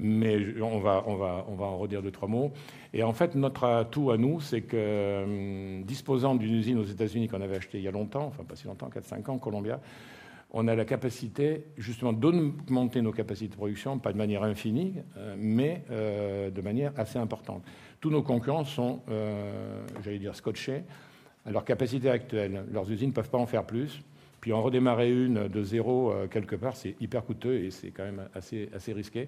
mais je, on va en redire deux, trois mots. Et en fait, notre atout à nous, c'est que disposant d'une usine aux États-Unis qu'on avait achetée il y a longtemps, enfin, pas si longtemps, quatre, cinq ans, Columbia, on a la capacité, justement, d'augmenter nos capacités de production, pas de manière infinie, mais de manière assez importante. Tous nos concurrents sont, j'allais dire, scotchés à leur capacité actuelle. Leurs usines ne peuvent pas en faire plus. Puis en redémarrer une de zéro, quelque part, c'est hyper coûteux et c'est quand même assez risqué.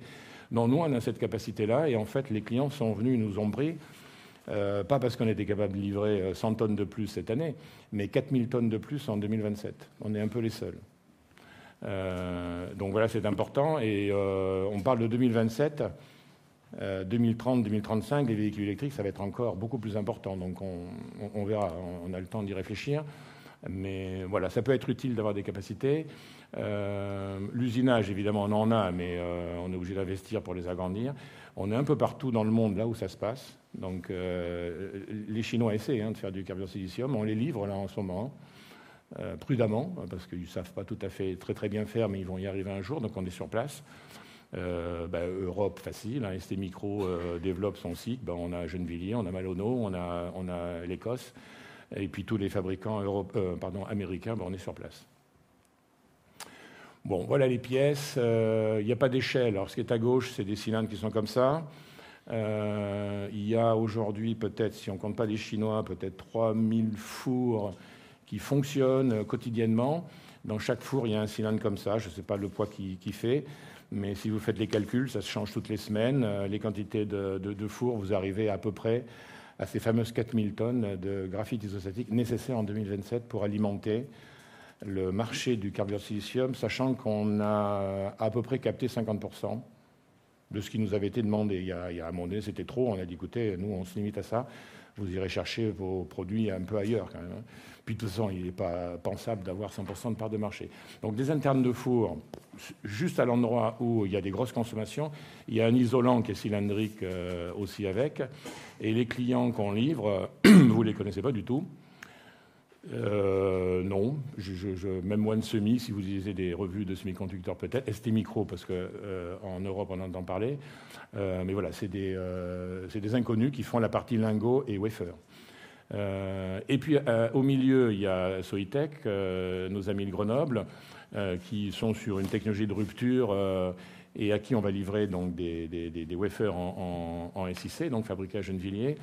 Non, nous, on a cette capacité-là et en fait, les clients sont venus, nous ont pris, pas parce qu'on était capable de livrer cent tonnes de plus cette année, mais quatre mille tonnes de plus en 2027. On est un peu les seuls... Donc voilà, c'est important. Et on parle de 2027, 2030, 2035, les véhicules électriques, ça va être encore beaucoup plus important. Donc on verra, on a le temps d'y réfléchir, mais voilà, ça peut être utile d'avoir des capacités. L'usinage, évidemment, on en a, mais on est obligé d'investir pour les agrandir. On est un peu partout dans le monde, là où ça se passe. Donc les Chinois essaient de faire du carbure de silicium. On les livre là en ce moment, prudemment, parce qu'ils ne savent pas tout à fait très bien faire, mais ils vont y arriver un jour. Donc, on est sur place. Europe, facile. STMicro développe son site. On a Gennevilliers, on a Malonneau, on a l'Écosse. Et puis tous les fabricants américains, on est sur place. Voilà les pièces. Il n'y a pas d'échelle. Alors, ce qui est à gauche, c'est des cylindres qui sont comme ça. Il y a aujourd'hui, peut-être, si on ne compte pas les Chinois, peut-être 3 000 fours qui fonctionnent quotidiennement. Dans chaque four, il y a un cylindre comme ça. Je ne sais pas le poids qu'il fait, mais si vous faites les calculs, ça se change toutes les semaines. Les quantités de fours, vous arrivez à peu près à ces fameuses 4 000 tonnes de graphite isostatique nécessaires en 2027 pour alimenter le marché du carbure de silicium, sachant qu'on a à peu près capté 50% de ce qui nous avait été demandé il y a un moment donné, c'était trop. On a dit: « Écoutez, nous, on se limite à ça. Vous irez chercher vos produits un peu ailleurs quand même. » Puis de toute façon, il n'est pas pensable d'avoir 100% de parts de marché. Donc, des internes de four, juste à l'endroit où il y a des grosses consommations, il y a un isolant qui est cylindrique aussi. Et les clients qu'on livre, vous ne les connaissez pas du tout. Non, je, même One Semi, si vous lisez des revues de semi-conducteurs, peut-être. STMicroelectronics, parce qu'en Europe, on en entend parler. Mais voilà, c'est des inconnus qui font la partie lingot et wafer. Et puis, au milieu, il y a Soitec, nos amis de Grenoble, qui sont sur une technologie de rupture et à qui on va livrer des wafers en SiC, donc fabriqués à Gennevilliers.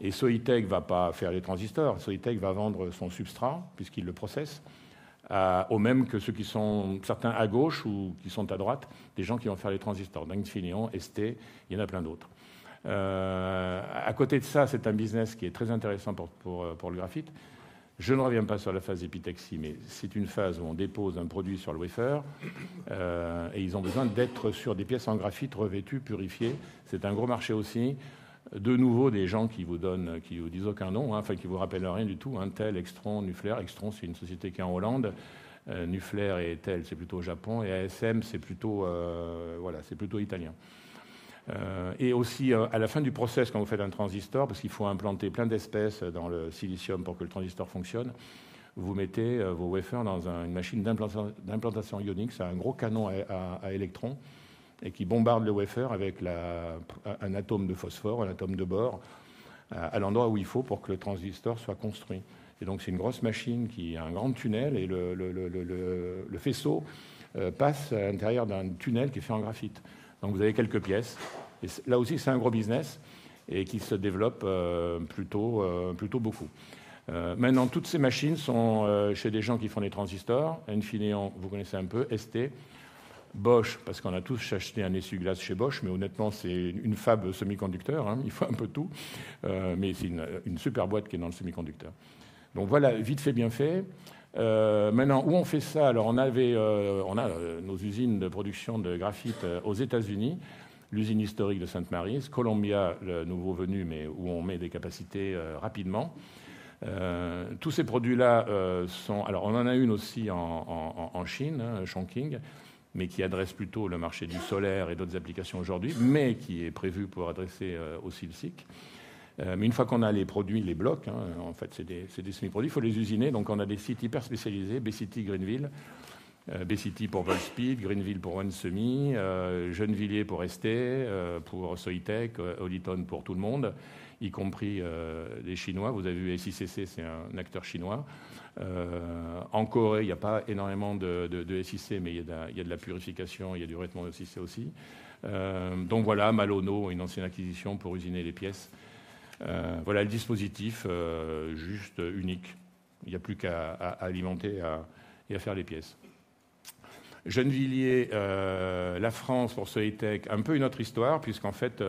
Et Soitec ne va pas faire les transistors. Soitec va vendre son substrat, puisqu'il le processe, au même titre que ceux qui sont certains à gauche ou qui sont à droite, des gens qui vont faire les transistors. Donc, Infineon, ST, il y en a plein d'autres. À côté de ça, c'est un business qui est très intéressant pour le graphite. Je ne reviens pas sur la phase d'épitaxie, mais c'est une phase où on dépose un produit sur le wafer, et ils ont besoin d'être sur des pièces en graphite, revêtues, purifiées. C'est un gros marché aussi. De nouveau, des gens qui vous donnent, qui vous disent aucun nom, enfin, qui vous rappellent rien du tout. TEL, Aixtron, Nuflare. Aixtron, c'est une société qui est en Hollande. Nuflare et TEL, c'est plutôt au Japon et ASM, c'est plutôt italien. Et aussi, à la fin du process, quand vous faites un transistor, parce qu'il faut implanter plein d'espèces dans le silicium pour que le transistor fonctionne, vous mettez vos wafers dans une machine d'implantation ionique. C'est un gros canon à électrons et qui bombarde le wafer avec un atome de phosphore, un atome de bore, à l'endroit où il faut pour que le transistor soit construit. Et donc c'est une grosse machine qui a un grand tunnel et le faisceau passe à l'intérieur d'un tunnel qui est fait en graphite. Donc, vous avez quelques pièces. Là aussi, c'est un gros business et qui se développe plutôt beaucoup. Maintenant, toutes ces machines sont chez des gens qui font des transistors. Infineon, vous connaissez un peu, ST, Bosch, parce qu'on a tous acheté un essuie-glace chez Bosch, mais honnêtement, c'est une fable semi-conducteur, il faut un peu tout, mais c'est une super boîte qui est dans le semi-conducteur. Donc voilà, vite fait, bien fait. Maintenant, où on fait ça? On avait, on a nos usines de production de graphite aux États-Unis, l'usine historique de Saint Mary's, Columbia, le nouveau venu, mais où on met des capacités rapidement. Tous ces produits-là sont... Alors, on en a une aussi en Chine, Chongqing, mais qui adresse plutôt le marché du solaire et d'autres applications aujourd'hui, mais qui est prévue pour adresser aussi le SiC. Mais une fois qu'on a les produits, les blocs, en fait, c'est des semi-produits, il faut les usiner. Donc, on a des sites hyper spécialisés, BCT, Greenville. BCT pour World Speed, Greenville pour One Semi, Gennevilliers pour ST, pour Soitec, Hollyton pour tout le monde, y compris les Chinois. Vous avez vu, SiCC, c'est un acteur chinois. En Corée, il n'y a pas énormément de SiC, mais il y a de la purification, il y a du revêtement de SiC aussi. Donc voilà, Malonneau, une ancienne acquisition pour usiner les pièces. Voilà le dispositif, juste unique. Il n'y a plus qu'à alimenter et à faire les pièces. Gennevilliers, la France, pour Soitec, un peu une autre histoire, puisqu'en fait,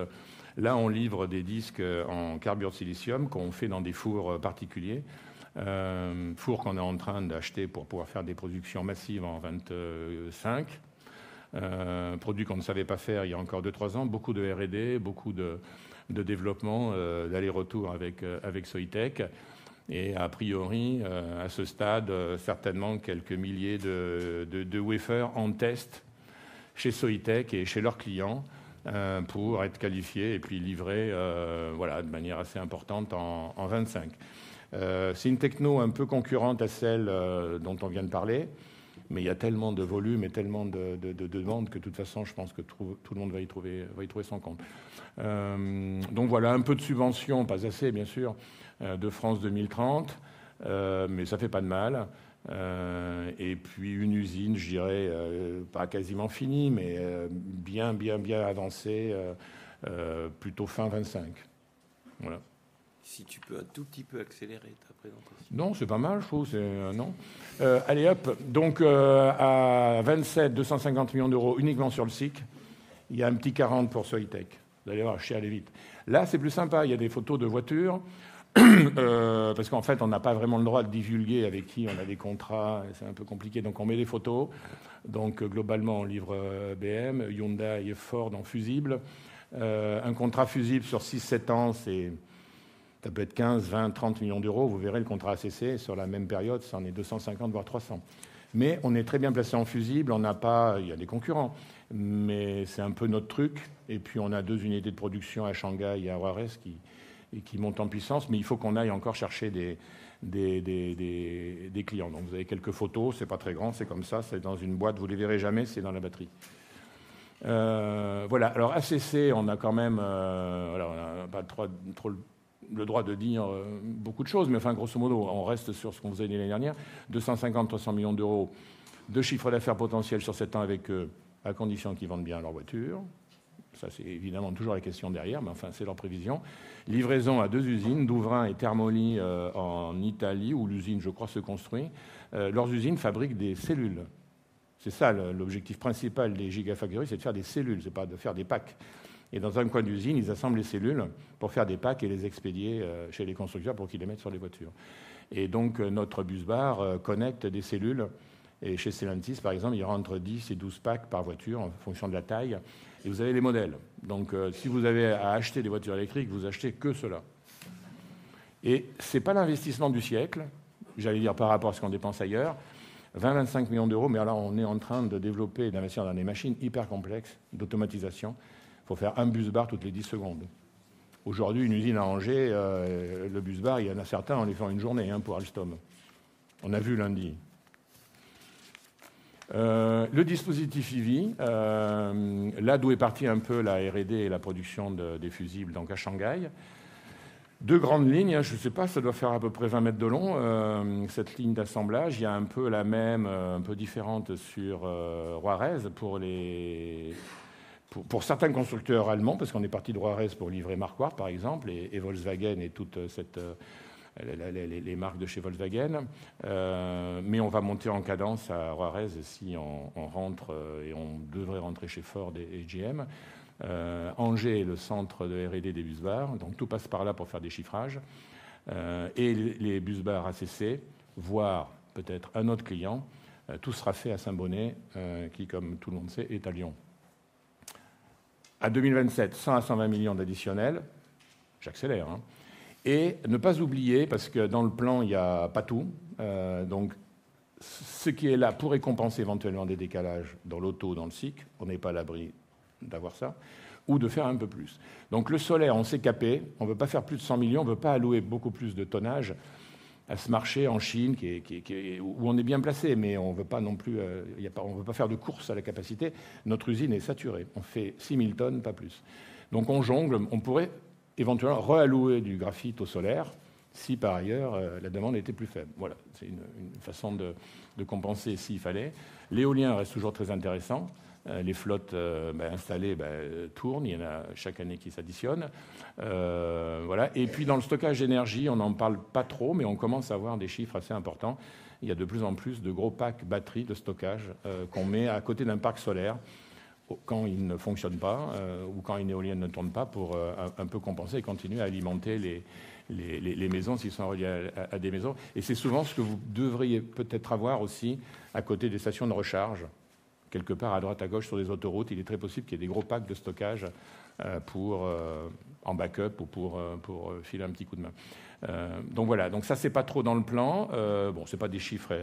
là, on livre des disques en carbure de silicium qu'on fait dans des fours particuliers, fours qu'on est en train d'acheter pour pouvoir faire des productions massives en 2025. Produit qu'on ne savait pas faire il y a encore deux, trois ans. Beaucoup de R&D, beaucoup de développement, d'allers-retours avec Soitec. Et a priori, à ce stade, certainement quelques milliers de wafers en test chez Soitec et chez leurs clients pour être qualifiés et puis livrés de manière assez importante en 2025. C'est une techno un peu concurrente à celle dont on vient de parler, mais il y a tellement de volume et tellement de demande que de toute façon, je pense que tout le monde va y trouver son compte. Donc voilà, un peu de subventions, pas assez bien sûr, de France 2030, mais ça fait pas de mal. Et puis une usine, je dirais, pas quasiment finie, mais bien avancée, plutôt fin 2025. Voilà. Si tu peux un tout petit peu accélérer ta présentation. Non, c'est pas mal, je trouve, c'est... Non? Allez, hop. Donc, à vingt-sept, 250 millions d'euros uniquement sur le SIC. Il y a un petit 40% sur high-tech. Vous allez voir, je vais aller vite. Là, c'est plus sympa, il y a des photos de voitures, parce qu'en fait, on n'a pas vraiment le droit de divulguer avec qui on a des contrats, c'est un peu compliqué. Donc on met des photos. Donc globalement, on livre BM, Hyundai et Ford en fusible. Un contrat fusible sur six, sept ans, c'est... ça peut être 15, 20, 30 millions d'euros. Vous verrez, le contrat ACC, sur la même période, c'en est 250, voire 300. Mais on est très bien placé en fusible. On n'a pas— il y a des concurrents, mais c'est un peu notre truc. Et puis, on a deux unités de production à Shanghai et à Roerès, qui montent en puissance, mais il faut qu'on aille encore chercher des clients. Donc, vous avez quelques photos. Ce n'est pas très grand, c'est comme ça, c'est dans une boîte. Vous ne les verrez jamais, c'est dans la batterie. Voilà. Alors, ACC, on a quand même, alors on n'a pas trop le droit de dire beaucoup de choses, mais enfin, grosso modo, on reste sur ce qu'on faisait l'année dernière: 250 à 300 millions d'euros de chiffre d'affaires potentiel sur sept ans avec eux, à condition qu'ils vendent bien leurs voitures. Ça, c'est évidemment toujours la question derrière, mais enfin, c'est leur prévision. Livraison à deux usines, Douvrin et Termoli en Italie, où l'usine, je crois, se construit. Leurs usines fabriquent des cellules. C'est ça l'objectif principal des gigafactories, c'est de faire des cellules, ce n'est pas de faire des packs. Et dans un coin d'usine, ils assemblent les cellules pour faire des packs et les expédier chez les constructeurs pour qu'ils les mettent sur les voitures. Et donc, notre busbar connecte des cellules. Et chez Stellantis, par exemple, il rentre dix et douze packs par voiture, en fonction de la taille. Et vous avez les modèles. Donc, si vous avez à acheter des voitures électriques, vous achetez que cela. Et ce n'est pas l'investissement du siècle, j'allais dire, par rapport à ce qu'on dépense ailleurs, €20, €25 millions, mais alors, on est en train de développer et d'investir dans des machines hyper complexes d'automatisation. Il faut faire un busbar toutes les dix secondes. Aujourd'hui, une usine à Angers, le busbar, il y en a certains, on les fait en une journée, pour Alstom. On a vu lundi le dispositif EV, là d'où est partie un peu la R&D et la production des fusibles, donc à Shanghai. Deux grandes lignes, je ne sais pas, ça doit faire à peu près vingt mètres de long, cette ligne d'assemblage. Il y a un peu la même, un peu différente, sur Roerès, pour les... pour certains constructeurs allemands, parce qu'on est parti de Roerès pour livrer Marquardt, par exemple, et Volkswagen et toute cette, les marques de chez Volkswagen. Mais on va monter en cadence à Roerès si on rentre et on devrait rentrer chez Ford et GM. Angers est le centre de R&D des busbars, donc tout passe par là pour faire des chiffrages. Et les busbars ACC, voire peut-être un autre client, tout sera fait à Saint-Bonnet, qui, comme tout le monde sait, est à Lyon. À 2027, €100 à €120 millions d'additionnels. J'accélère. Ne pas oublier, parce que dans le plan, il n'y a pas tout, donc ce qui est là pour récompenser éventuellement des décalages dans l'auto, dans le cycle, on n'est pas à l'abri d'avoir ça ou de faire un peu plus. Donc, le solaire, on s'est capé, on ne veut pas faire plus de €100 millions, on ne veut pas allouer beaucoup plus de tonnage à ce marché en Chine, qui est, qui est, où on est bien placé, mais on ne veut pas non plus, on ne veut pas faire de course à la capacité. Notre usine est saturée. On fait 6 000 tonnes, pas plus. Donc, on jongle. On pourrait éventuellement réallouer du graphite au solaire si, par ailleurs, la demande était plus faible. Voilà, c'est une façon de compenser s'il fallait. L'éolien reste toujours très intéressant. Les flottes installées tournent, il y en a chaque année qui s'additionnent. Voilà. Et puis, dans le stockage d'énergie, on n'en parle pas trop, mais on commence à avoir des chiffres assez importants. Il y a de plus en plus de gros packs batterie de stockage qu'on met à côté d'un parc solaire quand il ne fonctionne pas ou quand une éolienne ne tourne pas, pour un peu compenser et continuer à alimenter les maisons, s'ils sont reliés à des maisons. Et c'est souvent ce que vous devriez peut-être avoir aussi à côté des stations de recharge, quelque part, à droite, à gauche, sur les autoroutes. Il est très possible qu'il y ait des gros packs de stockage pour en backup ou pour filer un petit coup de main. Donc voilà, ça, ce n'est pas trop dans le plan. Bon, ce n'est pas des chiffres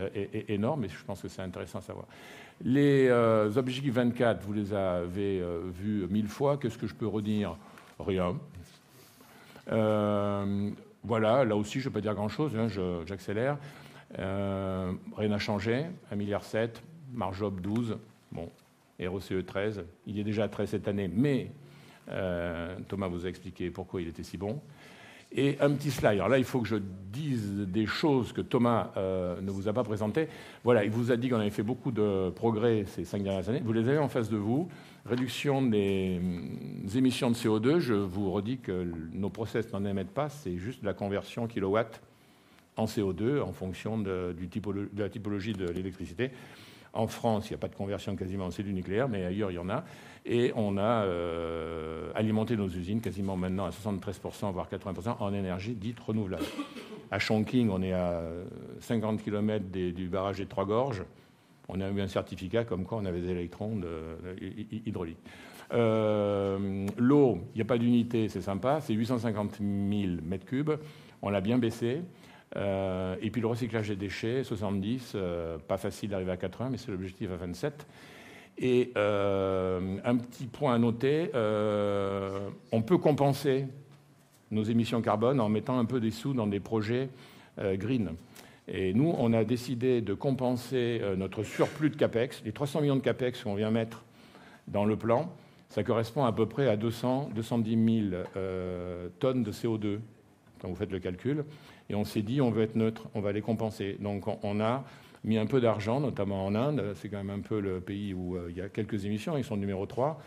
énormes, mais je pense que c'est intéressant à savoir. Les objectifs 2024, vous les avez vus mille fois. Qu'est-ce que je peux redire? Rien. Voilà, là aussi, je ne vais pas dire grand-chose, j'accélère. Rien n'a changé. €1,7 milliard, marge op 12%, bon, RCE 13%. Il est déjà 13% cette année, mais Thomas vous a expliqué pourquoi il était si bon. Et un petit slide. Alors là, il faut que je dise des choses que Thomas ne vous a pas présentées. Voilà, il vous a dit qu'on avait fait beaucoup de progrès ces cinq dernières années. Vous les avez en face de vous. Réduction des émissions de CO2. Je vous redis que nos processus n'en émettent pas. C'est juste la conversion kilowatts en CO2, en fonction de la typologie de l'électricité. En France, il n'y a pas de conversion quasiment en cellule nucléaire, mais ailleurs, il y en a. On a alimenté nos usines quasiment maintenant à 73%, voire 80%, en énergie dite renouvelable. À Chongqing, on est à 50 kilomètres du barrage des Trois Gorges. On a eu un certificat comme quoi on avait des électrons hydrauliques. L'eau, il n'y a pas d'unité, c'est sympa, c'est 850 000 mètres cubes. On l'a bien baissé. Et puis le recyclage des déchets, 70%. Pas facile d'arriver à 80%, mais c'est l'objectif à 2027. Et un petit point à noter, on peut compenser nos émissions carbone en mettant un peu des sous dans des projets green. Et nous, on a décidé de compenser notre surplus de CapEx. Les 300 millions de CapEx qu'on vient mettre dans le plan, ça correspond à peu près à 200, 210 000 tonnes de CO2. Donc, vous faites le calcul. Et on s'est dit: on veut être neutre, on va les compenser. Donc, on a mis un peu d'argent, notamment en Inde. C'est quand même un peu le pays où il y a quelques émissions. Ils sont numéro trois.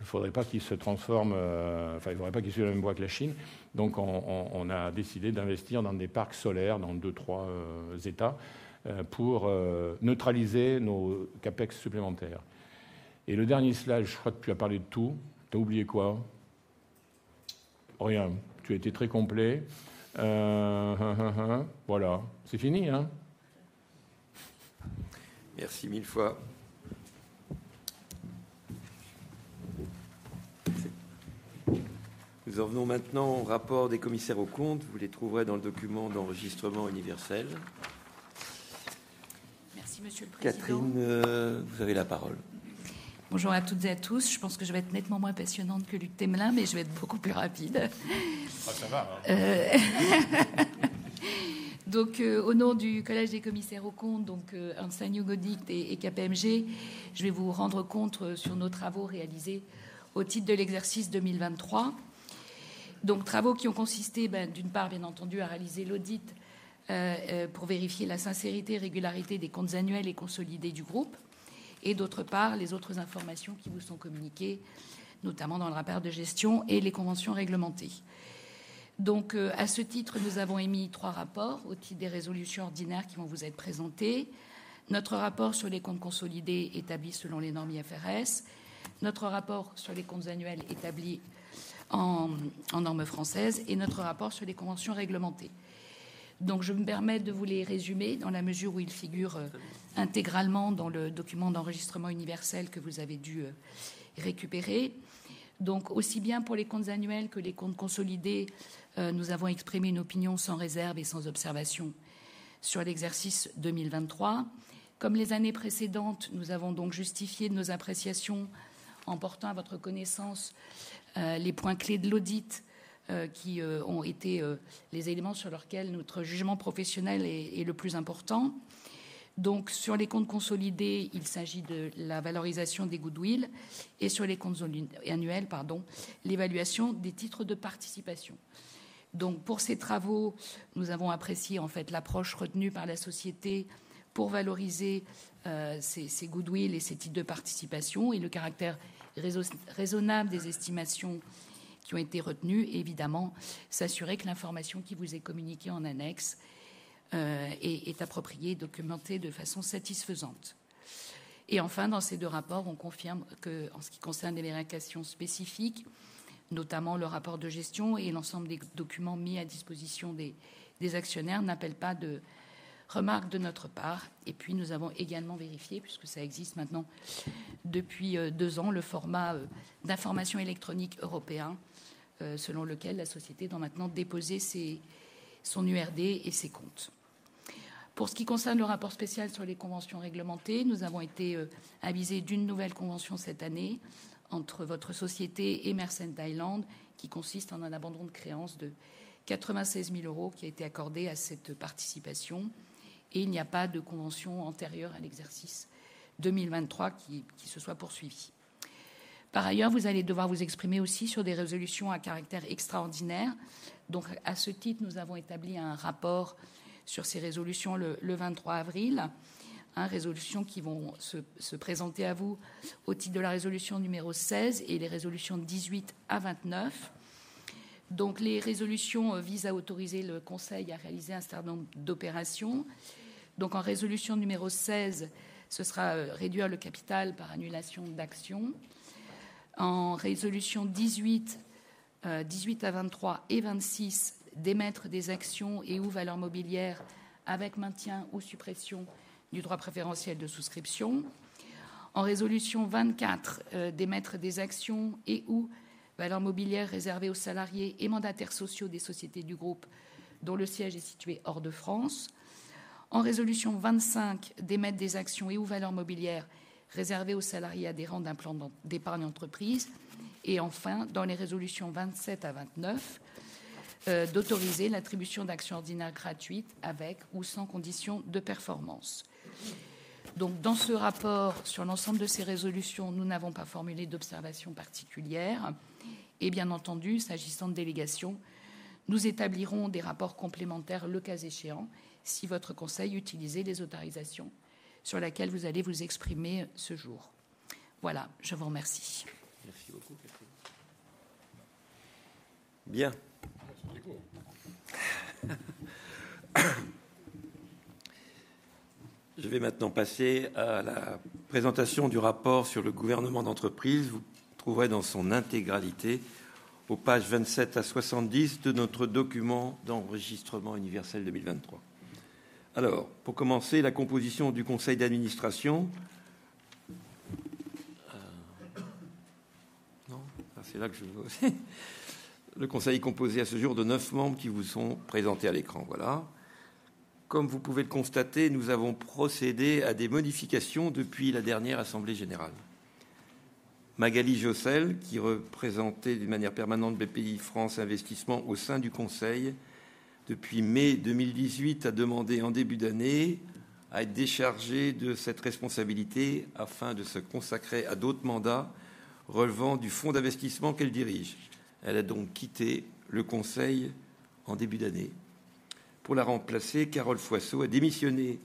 Il ne faudrait pas qu'ils se transforment... enfin, il ne faudrait pas qu'ils suivent la même voie que la Chine. Donc, on a décidé d'investir dans des parcs solaires, dans deux, trois États, pour neutraliser nos CapEx supplémentaires. Et le dernier slide, je crois que tu as parlé de tout. Tu as oublié quoi? Rien, tu as été très complet. Voilà, c'est fini hein? Merci mille fois. Nous en venons maintenant au rapport des commissaires aux comptes. Vous les trouverez dans le document d'enregistrement universel. Merci Monsieur le Président. Catherine, vous avez la parole. Bonjour à toutes et à tous. Je pense que je vais être nettement moins passionnante que Luc Temelin, mais je vais être beaucoup plus rapide. Oh, ça va hein! Donc, au nom du Collège des commissaires aux comptes, donc Ernst & Young Audit et KPMG, je vais vous rendre compte sur nos travaux réalisés au titre de l'exercice 2023. Donc, travaux qui ont consisté, d'une part, bien entendu, à réaliser l'audit pour vérifier la sincérité et régularité des comptes annuels et consolidés du groupe, et d'autre part, les autres informations qui vous sont communiquées, notamment dans le rapport de gestion et les conventions réglementées. Donc, à ce titre, nous avons émis trois rapports au titre des résolutions ordinaires qui vont vous être présentées. Notre rapport sur les comptes consolidés établis selon les normes IFRS, notre rapport sur les comptes annuels établis en normes françaises et notre rapport sur les conventions réglementées. Donc, je me permets de vous les résumer dans la mesure où ils figurent intégralement dans le document d'enregistrement universel que vous avez dû récupérer. Aussi bien pour les comptes annuels que les comptes consolidés, nous avons exprimé une opinion sans réserve et sans observation sur l'exercice 2023. Comme les années précédentes, nous avons donc justifié nos appréciations en portant à votre connaissance les points clés de l'audit, qui ont été les éléments sur lesquels notre jugement professionnel est le plus important. Sur les comptes consolidés, il s'agit de la valorisation des goodwills et sur les comptes annuels, l'évaluation des titres de participation. Pour ces travaux, nous avons apprécié en fait l'approche retenue par la société pour valoriser ces goodwills et ces titres de participation et le caractère raisonnable des estimations qui ont été retenues. Évidemment, s'assurer que l'information qui vous est communiquée en annexe est appropriée et documentée de façon satisfaisante. Et enfin, dans ces deux rapports, on confirme qu'en ce qui concerne les vérifications spécifiques, notamment le rapport de gestion et l'ensemble des documents mis à disposition des actionnaires, n'appellent pas de remarques de notre part. Et puis, nous avons également vérifié, puisque ça existe maintenant depuis deux ans, le format d'information électronique européen, selon lequel la société doit maintenant déposer son URD et ses comptes. Pour ce qui concerne le rapport spécial sur les conventions réglementées, nous avons été avisés d'une nouvelle convention cette année entre votre société et Mersen Thaïlande, qui consiste en un abandon de créance de 96 000 € qui a été accordé à cette participation. Et il n'y a pas de convention antérieure à l'exercice 2023 qui se soit poursuivie. Par ailleurs, vous allez devoir vous exprimer aussi sur des résolutions à caractère extraordinaire. Donc, à ce titre, nous avons établi un rapport sur ces résolutions le vingt-trois avril. Résolutions qui vont se présenter à vous au titre de la résolution numéro seize et les résolutions dix-huit à vingt-neuf. Donc, les résolutions visent à autoriser le Conseil à réaliser un certain nombre d'opérations. Donc, en résolution numéro seize, ce sera réduire le capital par annulation d'actions. En résolution dix-huit, dix-huit à vingt-trois et vingt-six, d'émettre des actions et ou valeurs mobilières avec maintien ou suppression du droit préférentiel de souscription. En résolution vingt-quatre, d'émettre des actions et ou valeurs mobilières réservées aux salariés et mandataires sociaux des sociétés du groupe dont le siège est situé hors de France. En résolution vingt-cinq, d'émettre des actions et ou valeurs mobilières réservées aux salariés adhérents d'un plan d'épargne entreprise. Et enfin, dans les résolutions vingt-sept à vingt-neuf, d'autoriser l'attribution d'actions ordinaires gratuites avec ou sans conditions de performance. Donc, dans ce rapport sur l'ensemble de ces résolutions, nous n'avons pas formulé d'observations particulières. Et bien entendu, s'agissant de délégations, nous établirons des rapports complémentaires, le cas échéant, si votre conseil utilisait les autorisations sur lesquelles vous allez vous exprimer ce jour. Voilà, je vous remercie. Merci beaucoup. Bien. Je vais maintenant passer à la présentation du rapport sur le gouvernement d'entreprise. Vous trouverez dans son intégralité aux pages 27 à 70 de notre document d'enregistrement universel 2023. Alors, pour commencer, la composition du conseil d'administration. Non, c'est là que je veux. Le conseil est composé à ce jour de neuf membres qui vous sont présentés à l'écran. Voilà. Comme vous pouvez le constater, nous avons procédé à des modifications depuis la dernière assemblée générale. Magali Josel, qui représentait d'une manière permanente BPI France Investissement au sein du conseil depuis mai 2018, a demandé en début d'année à être déchargée de cette responsabilité afin de se consacrer à d'autres mandats relevant du fonds d'investissement qu'elle dirige. Elle a donc quitté le conseil en début d'année. Pour la remplacer, Carole Foissot a démissionné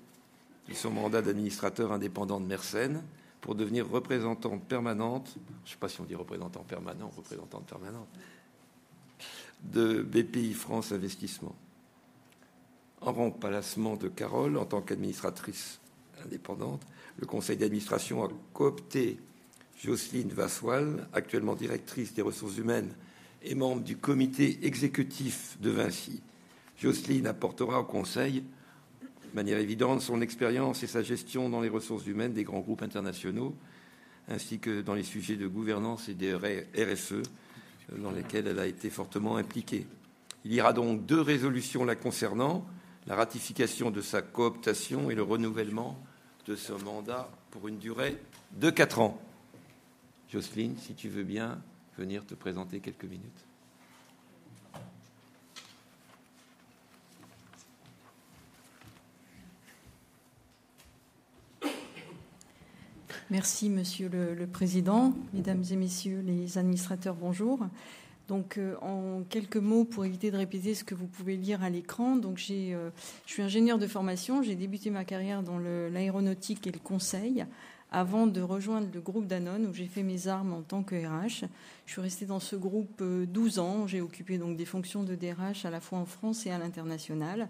de son mandat d'administrateur indépendant de Mersen pour devenir représentante permanente - je ne sais pas si on dit représentant permanent ou représentante permanente - de BPI France Investissement. En remplacement de Carole en tant qu'administratrice indépendante, le conseil d'administration a coopté Jocelyne Vassois, actuellement Directrice des Ressources Humaines et membre du comité exécutif de Vinci. Jocelyne apportera au conseil, de manière évidente, son expérience et sa gestion dans les ressources humaines des grands groupes internationaux, ainsi que dans les sujets de gouvernance et de RSE, dans lesquels elle a été fortement impliquée. Il y aura donc deux résolutions la concernant, la ratification de sa cooptation et le renouvellement de son mandat pour une durée de quatre ans. Jocelyne, si tu veux bien venir te présenter quelques minutes. Merci, monsieur le président. Mesdames et messieurs les administrateurs, bonjour. Donc, en quelques mots, pour éviter de répéter ce que vous pouvez lire à l'écran. Donc, je suis ingénieure de formation. J'ai débuté ma carrière dans l'aéronautique et le conseil avant de rejoindre le groupe Danone, où j'ai fait mes armes en tant que RH. Je suis restée dans ce groupe douze ans. J'ai occupé donc des fonctions de DRH, à la fois en France et à l'international,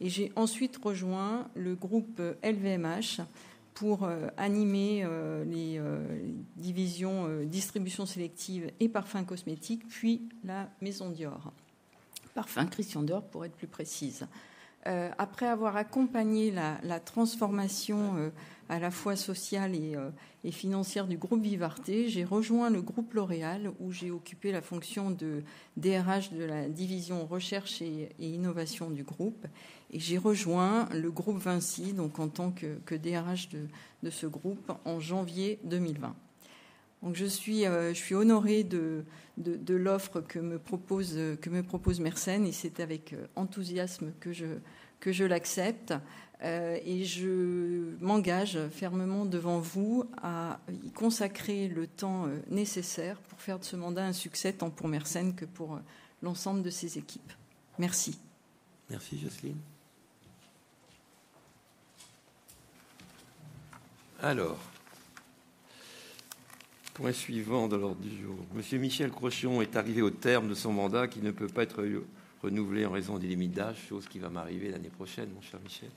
et j'ai ensuite rejoint le groupe LVMH pour animer les divisions distribution sélective et parfums cosmétiques, puis la maison Dior. Parfums Christian Dior, pour être plus précise. Après avoir accompagné la transformation, à la fois sociale et financière du groupe Vivarte, j'ai rejoint le groupe L'Oréal, où j'ai occupé la fonction de DRH de la division recherche et innovation du groupe. Et j'ai rejoint le groupe Vinci donc en tant que DRH de ce groupe en janvier 2020. Donc je suis honorée de l'offre que me propose Mersen et c'est avec enthousiasme que je l'accepte et je m'engage fermement devant vous à y consacrer le temps nécessaire pour faire de ce mandat un succès, tant pour Mersen que pour l'ensemble de ses équipes. Merci. Merci Jocelyne. Alors, point suivant de l'ordre du jour. Monsieur Michel Crochon est arrivé au terme de son mandat, qui ne peut pas être renouvelé en raison des limites d'âge, chose qui va m'arriver l'année prochaine, mon cher Michel.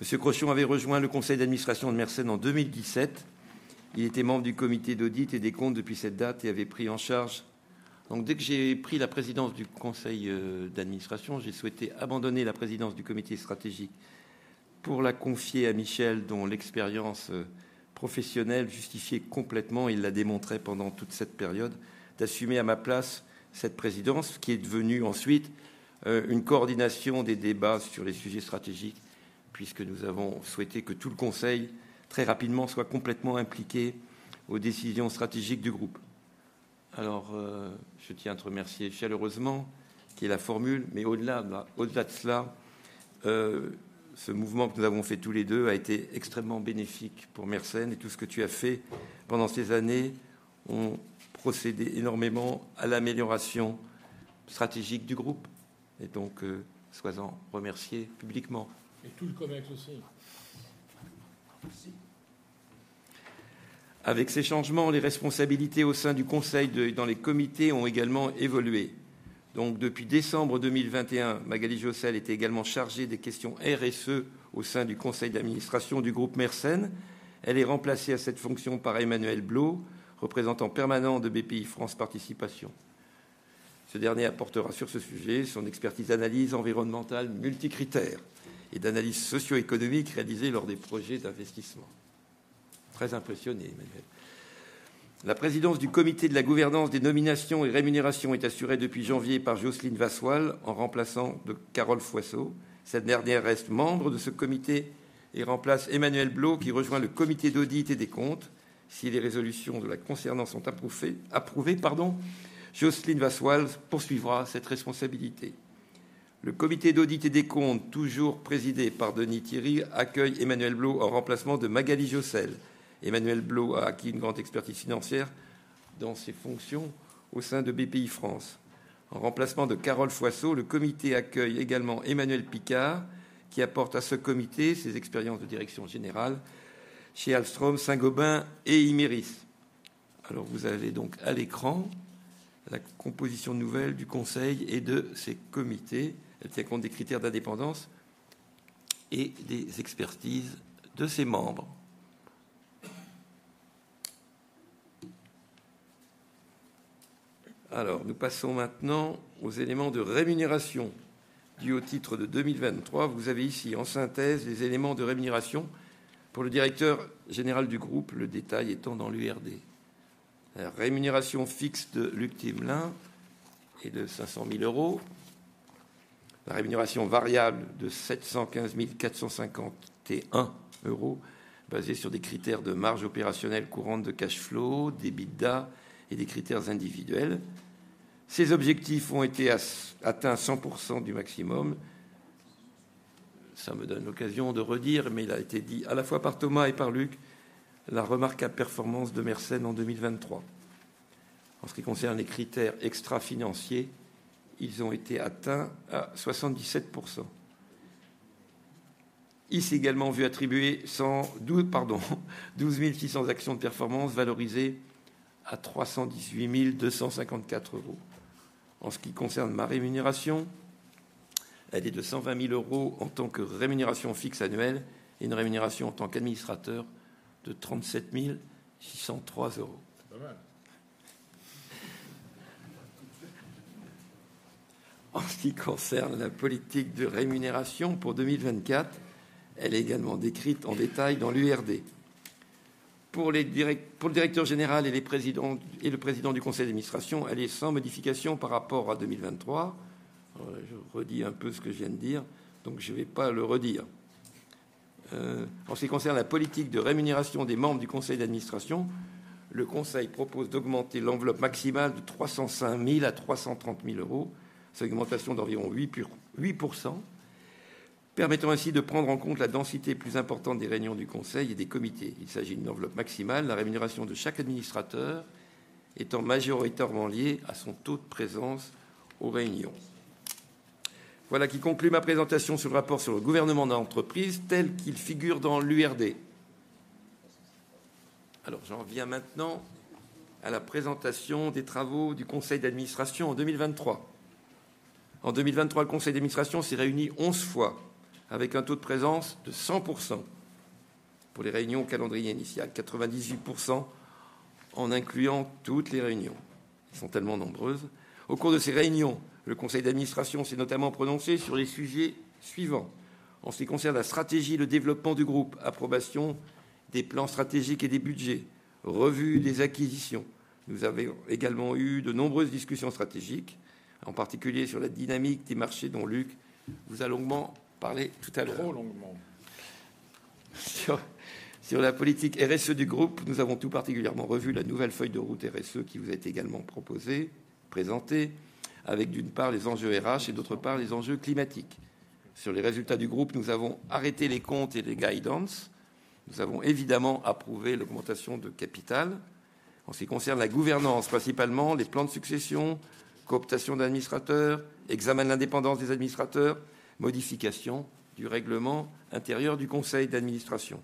Monsieur Crochon avait rejoint le conseil d'administration de Mersen en 2017. Il était membre du comité d'audit et des comptes depuis cette date et avait pris en charge... Donc dès que j'ai pris la présidence du conseil d'administration, j'ai souhaité abandonner la présidence du comité stratégique pour la confier à Michel, dont l'expérience professionnelle justifiait complètement, il l'a démontré pendant toute cette période, d'assumer à ma place cette présidence, qui est devenue ensuite une coordination des débats sur les sujets stratégiques, puisque nous avons souhaité que tout le conseil, très rapidement, soit complètement impliqué aux décisions stratégiques du groupe. Alors, je tiens à te remercier chaleureusement, qui est la formule, mais au-delà de cela, ce mouvement que nous avons fait tous les deux a été extrêmement bénéfique pour Mersen et tout ce que tu as fait pendant ces années ont procédé énormément à l'amélioration stratégique du groupe. Et donc, sois-en remercié publiquement. Et tout le commerce aussi. Avec ces changements, les responsabilités au sein du conseil d'administration et dans les comités ont également évolué. Donc, depuis décembre 2021, Magali Josel est également chargée des questions RSE au sein du conseil d'administration du groupe Mersen. Elle est remplacée à cette fonction par Emmanuel Blot, représentant permanent de BPI France Participation. Ce dernier apportera sur ce sujet son expertise d'analyse environnementale multicritères et d'analyse socio-économique réalisée lors des projets d'investissement. Très impressionnant, Emmanuel. La présidence du Comité de la gouvernance, des nominations et rémunérations est assurée depuis janvier par Jocelyne Vassois, en remplacement de Carole Foisseau. Cette dernière reste membre de ce comité et remplace Emmanuel Blot, qui rejoint le Comité d'audit et des comptes. Si les résolutions la concernant sont approuvées, Jocelyne Vassois poursuivra cette responsabilité. Le Comité d'audit et des comptes, toujours présidé par Denis Thierry, accueille Emmanuel Blot en remplacement de Magali Josel. Emmanuel Blot a acquis une grande expertise financière dans ses fonctions au sein de BPI France. En remplacement de Carole Foisseau, le comité accueille également Emmanuel Picard, qui apporte à ce comité ses expériences de direction générale chez Alstom, Saint-Gobain et Imerys. Vous avez donc à l'écran la composition nouvelle du conseil et de ses comités, elle tient compte des critères d'indépendance et des expertises de ses membres. Nous passons maintenant aux éléments de rémunération dus au titre de 2023. Vous avez ici, en synthèse, les éléments de rémunération pour le Directeur Général du groupe, le détail étant dans l'URD. La rémunération fixe de Luc Teymelin est de €500,000. La rémunération variable de €715,451, basée sur des critères de marge opérationnelle courante, de cash flow, d'EBITDA et des critères individuels. Ces objectifs ont été atteints à 100% du maximum. Ça me donne l'occasion de redire, mais il a été dit à la fois par Thomas et par Luc, la remarquable performance de Mersen en 2023. En ce qui concerne les critères extra financiers, ils ont été atteints à 77%. Il s'est également vu attribuer 12 600 actions de performance valorisées à €318 254. En ce qui concerne ma rémunération, elle est de €120 000 en tant que rémunération fixe annuelle et une rémunération en tant qu'administrateur de €37 603. En ce qui concerne la politique de rémunération pour 2024, elle est également décrite en détail dans l'URD. Pour les directeurs, pour le directeur général et les présidents, et le président du conseil d'administration, elle est sans modification par rapport à 2023. Je redis un peu ce que je viens de dire, donc je ne vais pas le redire. En ce qui concerne la politique de rémunération des membres du conseil d'administration, le conseil propose d'augmenter l'enveloppe maximale de 305 000 € à 330 000 €. Cette augmentation d'environ 8%, permettant ainsi de prendre en compte la densité plus importante des réunions du conseil et des comités. Il s'agit d'une enveloppe maximale, la rémunération de chaque administrateur étant majoritairement liée à son taux de présence aux réunions. Voilà qui conclut ma présentation sur le rapport sur le gouvernement de l'entreprise, tel qu'il figure dans l'URD. Alors, j'en viens maintenant à la présentation des travaux du conseil d'administration en 2023. En 2023, le conseil d'administration s'est réuni onze fois, avec un taux de présence de 100% pour les réunions au calendrier initial, 98% en incluant toutes les réunions. Elles sont tellement nombreuses. Au cours de ces réunions, le conseil d'administration s'est notamment prononcé sur les sujets suivants. En ce qui concerne la stratégie de développement du groupe, approbation des plans stratégiques et des budgets, revue des acquisitions. Nous avons également eu de nombreuses discussions stratégiques, en particulier sur la dynamique des marchés, dont Luc vous a longuement parlé tout à l'heure. Trop longuement. Sur la politique RSE du groupe, nous avons tout particulièrement revu la nouvelle feuille de route RSE, qui vous a été également proposée, présentée, avec d'une part les enjeux RH et d'autre part, les enjeux climatiques. Sur les résultats du groupe, nous avons arrêté les comptes et les guidances. Nous avons évidemment approuvé l'augmentation de capital. En ce qui concerne la gouvernance, principalement les plans de succession, cooptation d'administrateurs, examen de l'indépendance des administrateurs, modification du règlement intérieur du conseil d'administration.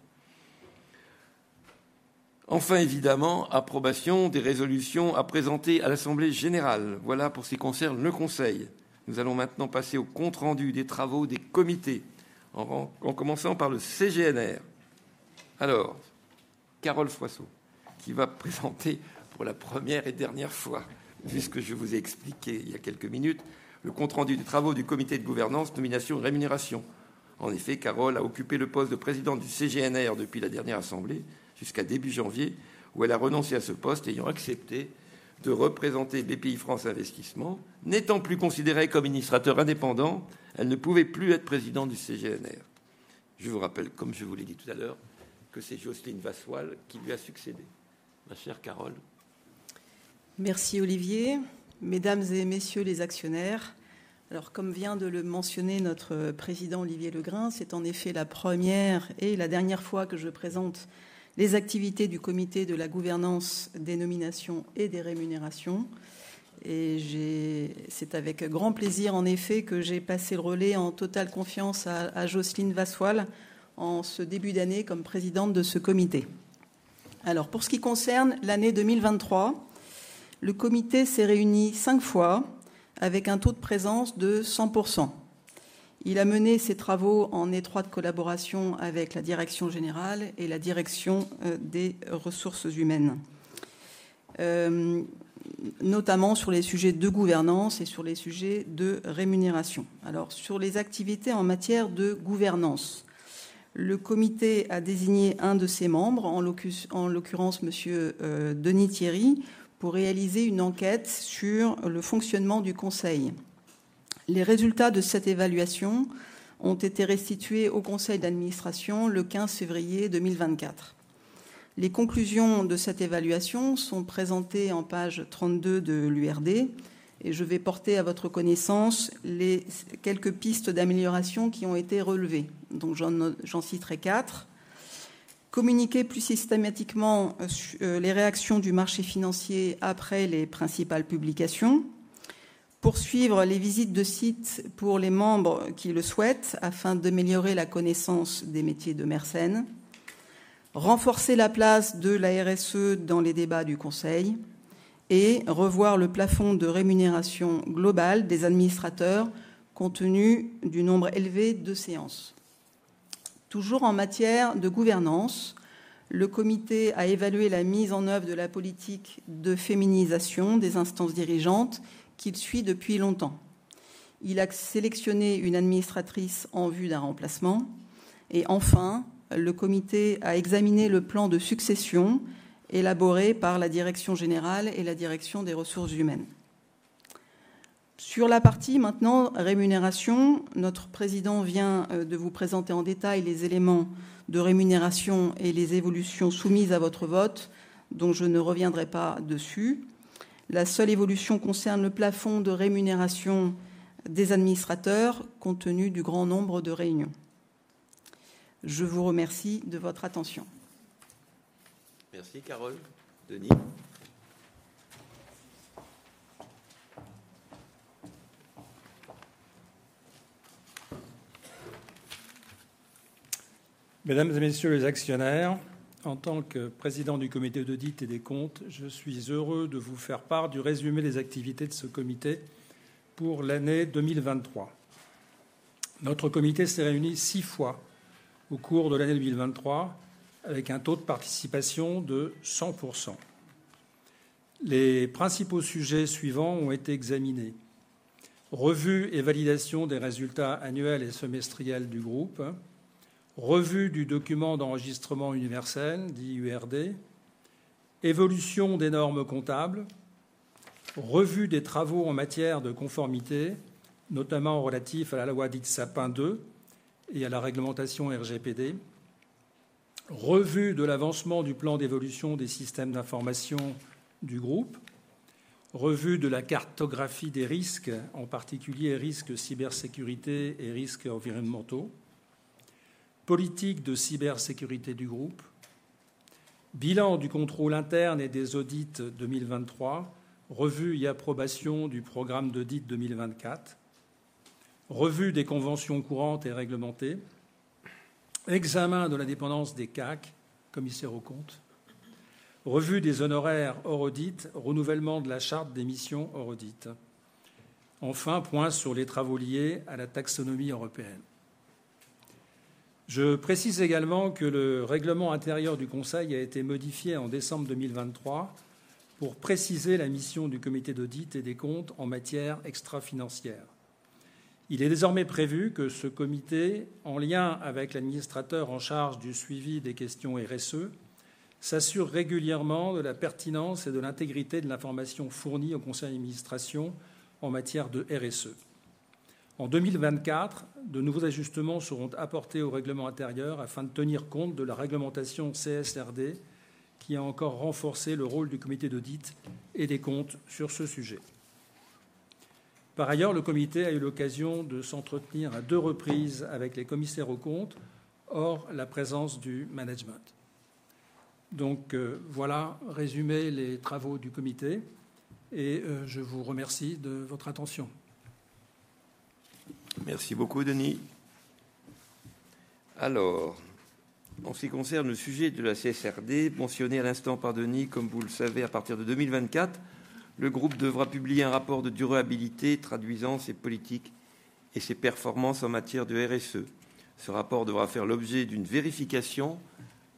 Enfin, évidemment, approbation des résolutions à présenter à l'Assemblée Générale. Voilà pour ce qui concerne le conseil. Nous allons maintenant passer au compte rendu des travaux des comités, en commençant par le CGNR. Alors, Carole Froissart, qui va présenter pour la première et dernière fois, vu ce que je vous ai expliqué il y a quelques minutes, le compte rendu des travaux du Comité de Gouvernance, Nomination, Rémunération. En effet, Carole a occupé le poste de Président du CGNR depuis la dernière assemblée jusqu'à début janvier, où elle a renoncé à ce poste, ayant accepté de représenter BPI France Investissement. N'étant plus considérée comme administrateur indépendant, elle ne pouvait plus être Présidente du CGNR. Je vous rappelle, comme je vous l'ai dit tout à l'heure, que c'est Jocelyne Vassois qui lui a succédé. Ma chère Carole. Merci Olivier. Mesdames et messieurs les actionnaires. Alors, comme vient de le mentionner notre président Olivier Legrain, c'est en effet la première et la dernière fois que je présente les activités du Comité de la gouvernance des nominations et des rémunérations. J'ai... C'est avec grand plaisir, en effet, que j'ai passé le relais en totale confiance à Jocelyne Vassois, en ce début d'année, comme présidente de ce comité. Alors, pour ce qui concerne l'année 2023, le comité s'est réuni cinq fois avec un taux de présence de 100%. Il a mené ses travaux en étroite collaboration avec la direction générale et la direction des ressources humaines, notamment sur les sujets de gouvernance et sur les sujets de rémunération. Alors, sur les activités en matière de gouvernance, le comité a désigné un de ses membres, en l'occurrence, Monsieur Denis Thierry, pour réaliser une enquête sur le fonctionnement du conseil. Les résultats de cette évaluation ont été restitués au conseil d'administration le 15 février 2024. Les conclusions de cette évaluation sont présentées en page 32 de l'URD et je vais porter à votre connaissance quelques pistes d'amélioration qui ont été relevées. Donc, j'en citerai quatre : communiquer plus systématiquement sur les réactions du marché financier après les principales publications, poursuivre les visites de sites pour les membres qui le souhaitent afin d'améliorer la connaissance des métiers de Mercen, renforcer la place de la RSE dans les débats du Conseil et revoir le plafond de rémunération globale des administrateurs, compte tenu du nombre élevé de séances. Toujours en matière de gouvernance, le comité a évalué la mise en œuvre de la politique de féminisation des instances dirigeantes, qu'il suit depuis longtemps. Il a sélectionné une administratrice en vue d'un remplacement. Enfin, le comité a examiné le plan de succession élaboré par la direction générale et la direction des ressources humaines. Sur la partie, maintenant, rémunération, notre président vient de vous présenter en détail les éléments de rémunération et les évolutions soumises à votre vote, dont je ne reviendrai pas dessus. La seule évolution concerne le plafond de rémunération des administrateurs, compte tenu du grand nombre de réunions. Je vous remercie de votre attention. Merci Carole. Denis? Mesdames et Messieurs les actionnaires, en tant que Président du Comité d'audit et des comptes, je suis heureux de vous faire part du résumé des activités de ce comité pour l'année 2023. Notre comité s'est réuni six fois au cours de l'année 2023, avec un taux de participation de 100%. Les principaux sujets suivants ont été examinés: revue et validation des résultats annuels et semestriels du groupe, revue du document d'enregistrement universel, dit URD, évolution des normes comptables, revue des travaux en matière de conformité, notamment relatifs à la loi dite Sapin 2 et à la réglementation RGPD, revue de l'avancement du plan d'évolution des systèmes d'information du groupe, revue de la cartographie des risques, en particulier risques cybersécurité et risques environnementaux, politique de cybersécurité du groupe, bilan du contrôle interne et des audits 2023, revue et approbation du programme d'audit 2024, revue des conventions courantes et réglementées, examen de l'indépendance des CAC, commissaires aux comptes, revue des honoraires hors audit, renouvellement de la charte des missions hors audit. Enfin, point sur les travaux liés à la taxonomie européenne. Je précise également que le règlement intérieur du conseil a été modifié en décembre 2023 pour préciser la mission du Comité d'audit et des comptes en matière extra-financière. Il est désormais prévu que ce comité, en lien avec l'administrateur en charge du suivi des questions RSE, s'assure régulièrement de la pertinence et de l'intégrité de l'information fournie au conseil d'administration en matière de RSE. En 2024, de nouveaux ajustements seront apportés au règlement intérieur afin de tenir compte de la réglementation CSRD, qui a encore renforcé le rôle du Comité d'audit et des comptes sur ce sujet. Par ailleurs, le Comité a eu l'occasion de s'entretenir à deux reprises avec les commissaires aux comptes, hors la présence du management. Voilà résumé les travaux du Comité et je vous remercie de votre attention. Merci beaucoup, Denis. Alors, en ce qui concerne le sujet de la CSRD, mentionné à l'instant par Denis, comme vous le savez, à partir de 2024, le groupe devra publier un rapport de durabilité traduisant ses politiques et ses performances en matière de RSE. Ce rapport devra faire l'objet d'une vérification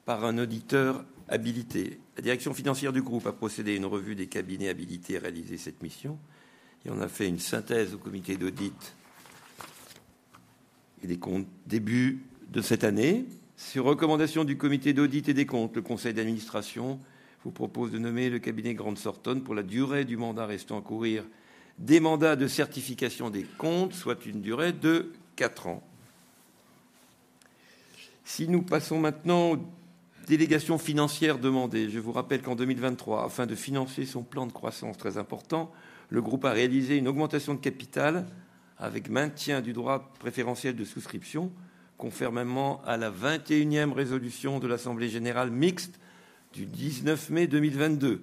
par un auditeur habilité. La direction financière du groupe a procédé à une revue des cabinets habilités à réaliser cette mission et en a fait une synthèse au Comité d'audit et des comptes début de cette année. Sur recommandation du Comité d'audit et des comptes, le conseil d'administration vous propose de nommer le cabinet Grant Thornton pour la durée du mandat restant à courir des mandats de certification des comptes, soit une durée de quatre ans. Si nous passons maintenant aux délégations financières demandées, je vous rappelle qu'en 2023, afin de financer son plan de croissance très important, le groupe a réalisé une augmentation de capital avec maintien du droit préférentiel de souscription, conformément à la 21e résolution de l'Assemblée générale mixte du 19 mai 2022.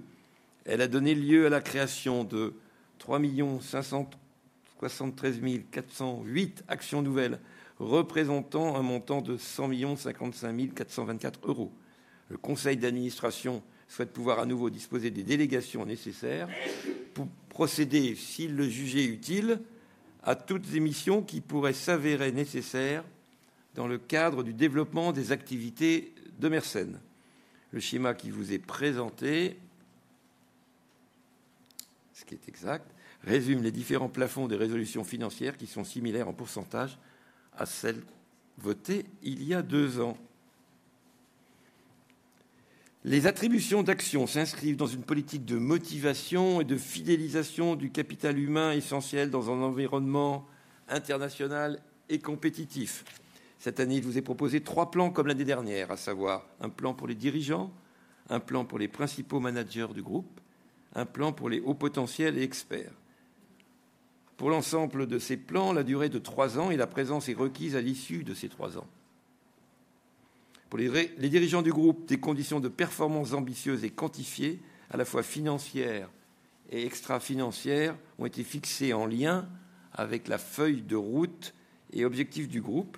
Elle a donné lieu à la création de 3 573 408 actions nouvelles, représentant un montant de €100 055 424. Le conseil d'administration souhaite pouvoir à nouveau disposer des délégations nécessaires pour procéder, s'il le jugeait utile, à toutes les émissions qui pourraient s'avérer nécessaires dans le cadre du développement des activités de Mersen. Le schéma qui vous est présenté résume les différents plafonds des résolutions financières qui sont similaires en pourcentage à celles votées il y a deux ans. Les attributions d'actions s'inscrivent dans une politique de motivation et de fidélisation du capital humain, essentiel dans un environnement international et compétitif. Cette année, je vous ai proposé trois plans comme l'année dernière, à savoir un plan pour les dirigeants, un plan pour les principaux managers du groupe, un plan pour les hauts potentiels et experts. Pour l'ensemble de ces plans, la durée de trois ans et la présence est requise à l'issue de ces trois ans. Pour les dirigeants du groupe, des conditions de performance ambitieuses et quantifiées, à la fois financières et extra-financières, ont été fixées en lien avec la feuille de route et objectifs du groupe,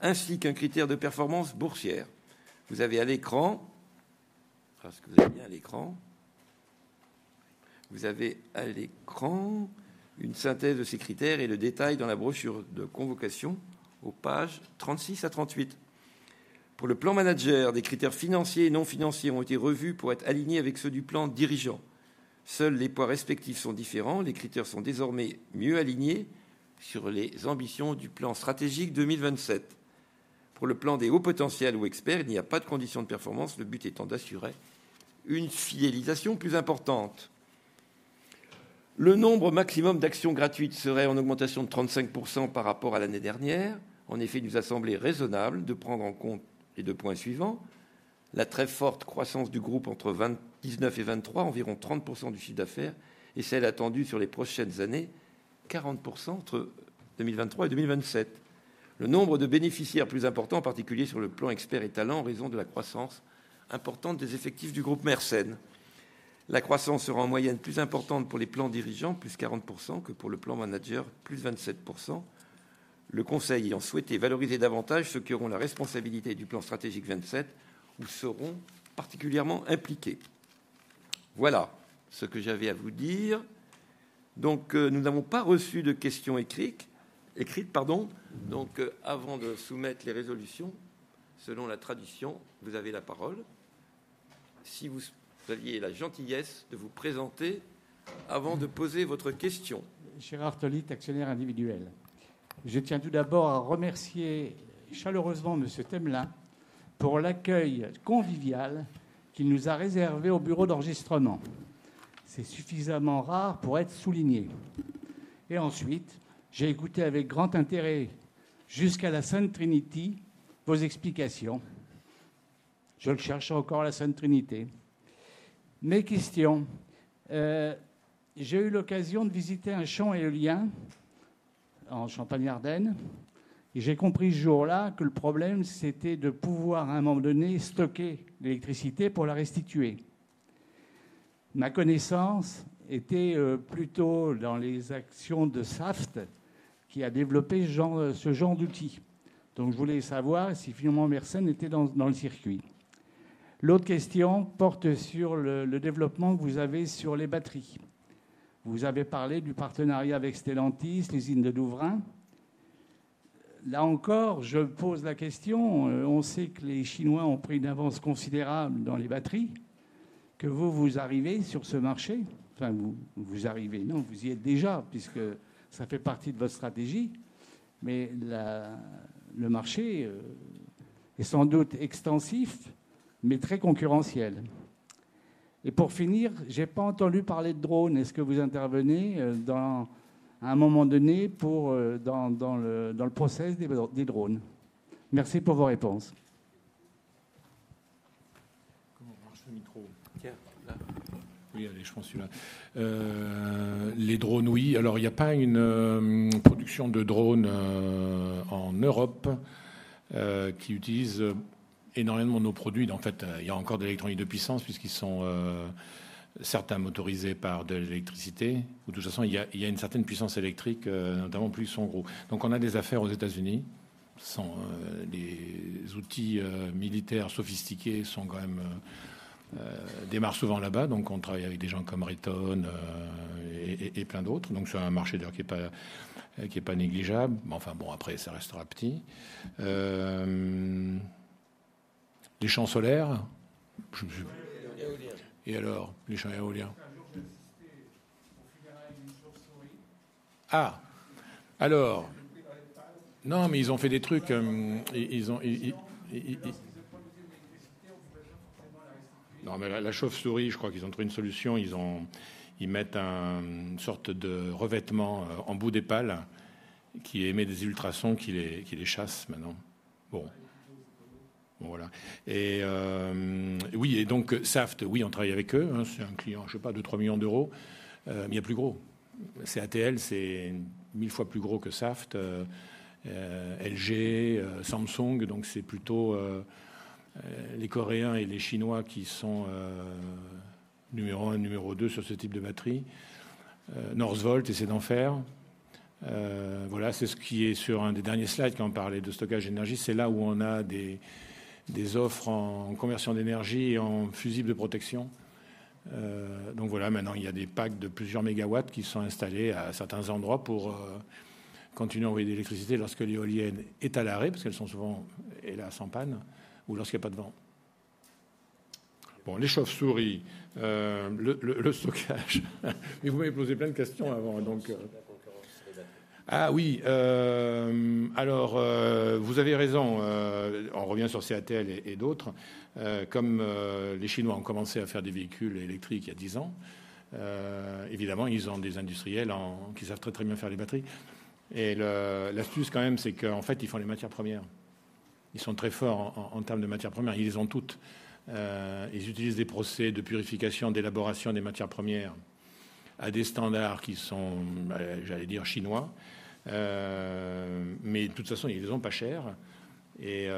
ainsi qu'un critère de performance boursière. Vous avez à l'écran, est-ce que vous avez bien à l'écran? Vous avez à l'écran une synthèse de ces critères et le détail dans la brochure de convocation aux pages 36 à 38. Pour le plan manager, des critères financiers et non financiers ont été revus pour être alignés avec ceux du plan dirigeant. Seuls les poids respectifs sont différents. Les critères sont désormais mieux alignés sur les ambitions du plan stratégique 2027. Pour le plan des hauts potentiels ou experts, il n'y a pas de conditions de performance, le but étant d'assurer une fidélisation plus importante. Le nombre maximum d'actions gratuites serait en augmentation de 35% par rapport à l'année dernière. En effet, il nous a semblé raisonnable de prendre en compte les deux points suivants: la très forte croissance du groupe entre 2019 et 2023, environ 30% du chiffre d'affaires, et celle attendue sur les prochaines années, 40% entre 2023 et 2027. Le nombre de bénéficiaires plus important, en particulier sur le plan expert et talent, en raison de la croissance importante des effectifs du groupe Mersen. La croissance sera en moyenne plus importante pour les plans dirigeants, plus 40%, que pour le plan manager, plus 27%. Le conseil ayant souhaité valoriser davantage ceux qui auront la responsabilité du plan stratégique 2027 ou seront particulièrement impliqués. Voilà ce que j'avais à vous dire. Nous n'avons pas reçu de questions écrites. Avant de soumettre les résolutions, selon la tradition, vous avez la parole. Si vous aviez la gentillesse de vous présenter avant de poser votre question. Michel Artolitte, actionnaire individuel. Je tiens tout d'abord à remercier chaleureusement Monsieur Temelin pour l'accueil convivial qu'il nous a réservé au bureau d'enregistrement. C'est suffisamment rare pour être souligné. Et ensuite, j'ai écouté avec grand intérêt, jusqu'à la Sainte-Trinité, vos explications. Je cherche encore la Sainte-Trinité. Mes questions. J'ai eu l'occasion de visiter un champ éolien en Champagne-Ardenne et j'ai compris ce jour-là que le problème, c'était de pouvoir, à un moment donné, stocker l'électricité pour la restituer. Ma connaissance était plutôt dans les actions de Saft, qui a développé ce genre d'outils. Donc, je voulais savoir si finalement, Mersen était dans le circuit. L'autre question porte sur le développement que vous avez sur les batteries. Vous avez parlé du partenariat avec Stellantis, l'usine de Douvrain. Là encore, je pose la question, on sait que les Chinois ont pris une avance considérable dans les batteries, que vous, vous arrivez sur ce marché. Enfin, vous arrivez, non, vous y êtes déjà, puisque ça fait partie de votre stratégie. Mais le marché est sans doute extensif, mais très concurrentiel. Et pour finir, je n'ai pas entendu parler de drones. Est-ce que vous intervenez, à un moment donné, dans le processus des drones? Merci pour vos réponses. Comment marche le micro? Tiens, là. Oui, allez, je prends celui-là. Les drones, oui. Alors, il n'y a pas une production de drones en Europe qui utilise énormément nos produits. En fait, il y a encore de l'électronique de puissance, puisqu'ils sont certains motorisés par de l'électricité. De toute façon, il y a une certaine puissance électrique d'autant plus qu'ils sont gros. Donc, on a des affaires aux États-Unis. Ce sont des outils militaires sophistiqués, sont quand même démarrent souvent là-bas. Donc, on travaille avec des gens comme Raytheon et plein d'autres. Donc, c'est un marché d'ailleurs qui n'est pas négligeable. Mais enfin, bon, après, ça restera petit. Les champs solaires? Éoliens. Et alors, les champs éoliens. Un jour, j'ai assisté au final d'une chauve-souris. Ah! Alors... Non, mais ils ont fait des trucs, ils ont... Ils ont posé de l'électricité. Non, mais la chauve-souris, je crois qu'ils ont trouvé une solution. Ils mettent une sorte de revêtement en bout des pales qui émet des ultrasons, qui les chassent maintenant. Voilà. Et oui, et donc, Saft, oui, on travaille avec eux. C'est un client, je ne sais pas, €2-3 millions, mais il y a plus gros. CATL, c'est mille fois plus gros que Saft, LG, Samsung. Donc, c'est plutôt les Coréens et les Chinois qui sont numéro un et numéro deux sur ce type de batterie. Northvolt essaie d'en faire. Voilà, c'est ce qui est sur un des derniers slides, quand on parlait de stockage d'énergie. C'est là où on a des offres en conversion d'énergie et en fusibles de protection. Donc voilà, maintenant, il y a des packs de plusieurs mégawatts qui sont installés à certains endroits pour continuer à envoyer de l'électricité lorsque l'éolienne est à l'arrêt, parce qu'elles sont souvent, hélas, en panne ou lorsqu'il n'y a pas de vent. Bon, les chauves-souris, le stockage. Mais vous m'avez posé plein de questions avant donc. Ah oui, alors, vous avez raison, on revient sur CATL et d'autres. Comme les Chinois ont commencé à faire des véhicules électriques il y a dix ans, évidemment, ils ont des industriels qui savent très bien faire les batteries. Et l'astuce quand même, c'est qu'en fait, ils font les matières premières. Ils sont très forts en termes de matières premières. Ils les ont toutes. Ils utilisent des procédés de purification, d'élaboration des matières premières à des standards qui sont, j'allais dire, chinois. Mais de toute façon, ils les ont pas chères et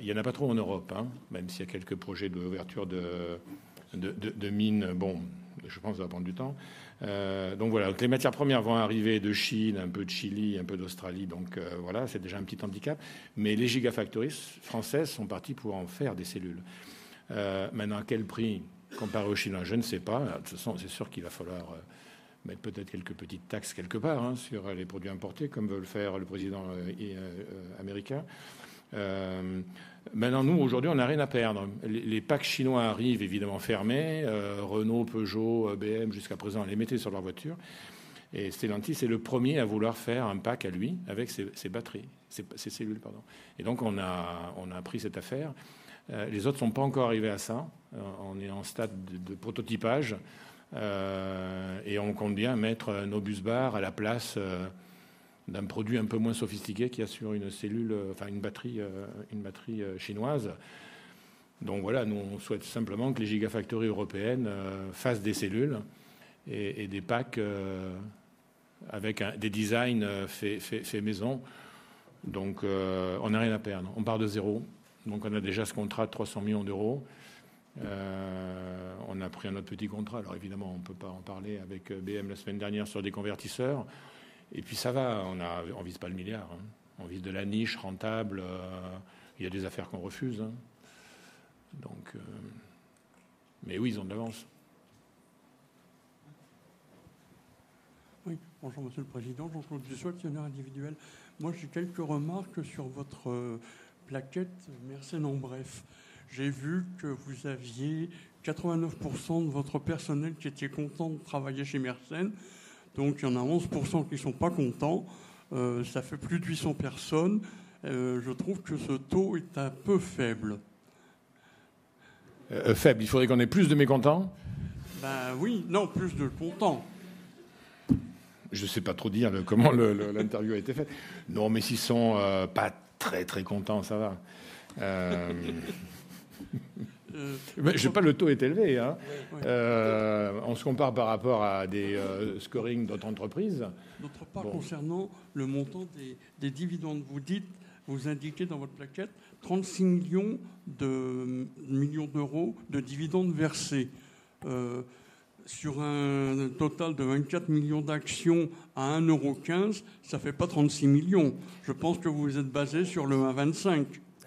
il n'y en a pas trop en Europe, hein. Même s'il y a quelques projets d'ouverture de mines, bon, je pense que ça va prendre du temps. Donc voilà, les matières premières vont arriver de Chine, un peu de Chili, un peu d'Australie. Donc voilà, c'est déjà un petit handicap, mais les giga factories françaises sont parties pour en faire des cellules. Maintenant, à quel prix, comparé aux Chinois? Je ne sais pas. De toute façon, c'est sûr qu'il va falloir mettre peut-être quelques petites taxes quelque part hein, sur les produits importés, comme veut le faire le président américain. Maintenant, nous, aujourd'hui, on n'a rien à perdre. Les packs chinois arrivent évidemment fermés. Renault, Peugeot, BMW, jusqu'à présent, les mettaient sur leur voiture. Et Stellantis, c'est le premier à vouloir faire un pack à lui, avec ses batteries, ses cellules, pardon. Et donc on a pris cette affaire. Les autres ne sont pas encore arrivés à ça. On est en stade de prototypage, et on compte bien mettre nos bus bars à la place d'un produit un peu moins sophistiqué qui assure une cellule, enfin, une batterie, une batterie chinoise. Donc voilà, nous, on souhaite simplement que les gigafactories européennes fassent des cellules et des packs avec des designs faits maison. Donc on n'a rien à perdre. On part de zéro, donc on a déjà ce contrat de €300 millions. On a pris un autre petit contrat. Alors évidemment, on ne peut pas en parler avec BM la semaine dernière sur des convertisseurs. Et puis ça va, on a, on vise pas le milliard hein. On vise de la niche rentable. Il y a des affaires qu'on refuse hein. Donc, mais oui, ils ont de l'avance. Oui, bonjour Monsieur le Président, Jean-Claude Jessois, actionnaire individuel. Moi, j'ai quelques remarques sur votre plaquette Mercéde en bref. J'ai vu que vous aviez 89% de votre personnel qui était content de travailler chez Mercéde. Donc, il y en a 11% qui ne sont pas contents. Ça fait plus de huit cents personnes. Je trouve que ce taux est un peu faible. Faible? Il faudrait qu'on ait plus de mécontents? Bien oui, non, plus de contenu. Je ne sais pas trop dire comment l'interview a été faite. Non, mais s'ils ne sont pas très très contents, ça va. Mais je ne sais pas, le taux est élevé hein. On se compare par rapport à des scoring d'autres entreprises. D'autre part, concernant le montant des dividendes, vous dites, vous indiquez dans votre plaquette 36 millions d'euros de dividendes versés. Sur un total de 24 millions d'actions à €1,15, ça fait pas 36 millions. Je pense que vous vous êtes basé sur le €1,25.